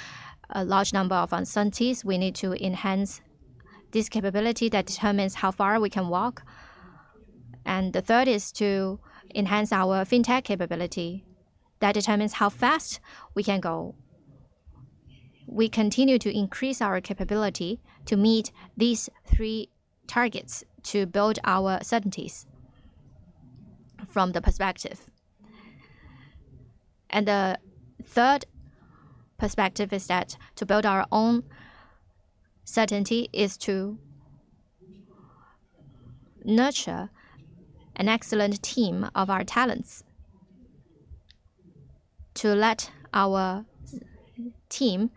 a large number of uncertainties, we need to enhance this capability that determines how far we can walk. The third is to enhance our fintech capability that determines how fast we can go. We continue to increase our capability to meet these three targets to build our certainties from the perspective. The third perspective is that to build our own certainty is to nurture an excellent team of our talents, to let our team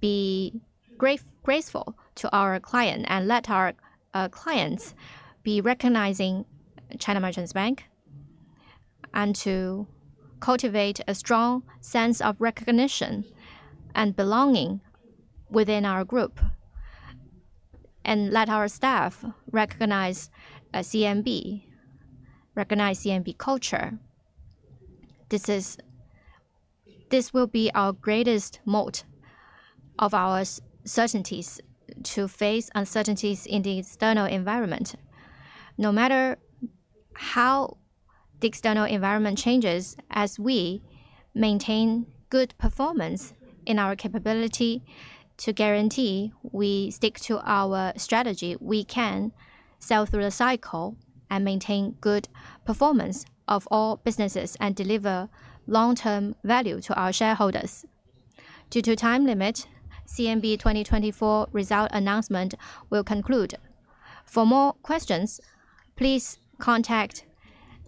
be graceful to our clients and let our clients be recognizing China Merchants Bank, and to cultivate a strong sense of recognition and belonging within our group, and let our staff recognize CMB, recognize CMB culture. This will be our greatest moat of our certainties to face uncertainties in the external environment. No matter how the external environment changes, as we maintain good performance in our capability to guarantee we stick to our strategy, we can sail through the cycle and maintain good performance of all businesses and deliver long-term value to our shareholders. Due to time limit, CMB 2024 result announcement will conclude. For more questions, please contact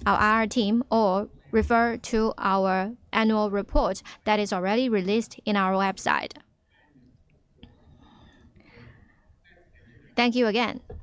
our team or refer to our annual report that is already released on our website. Thank you again. Goodbye.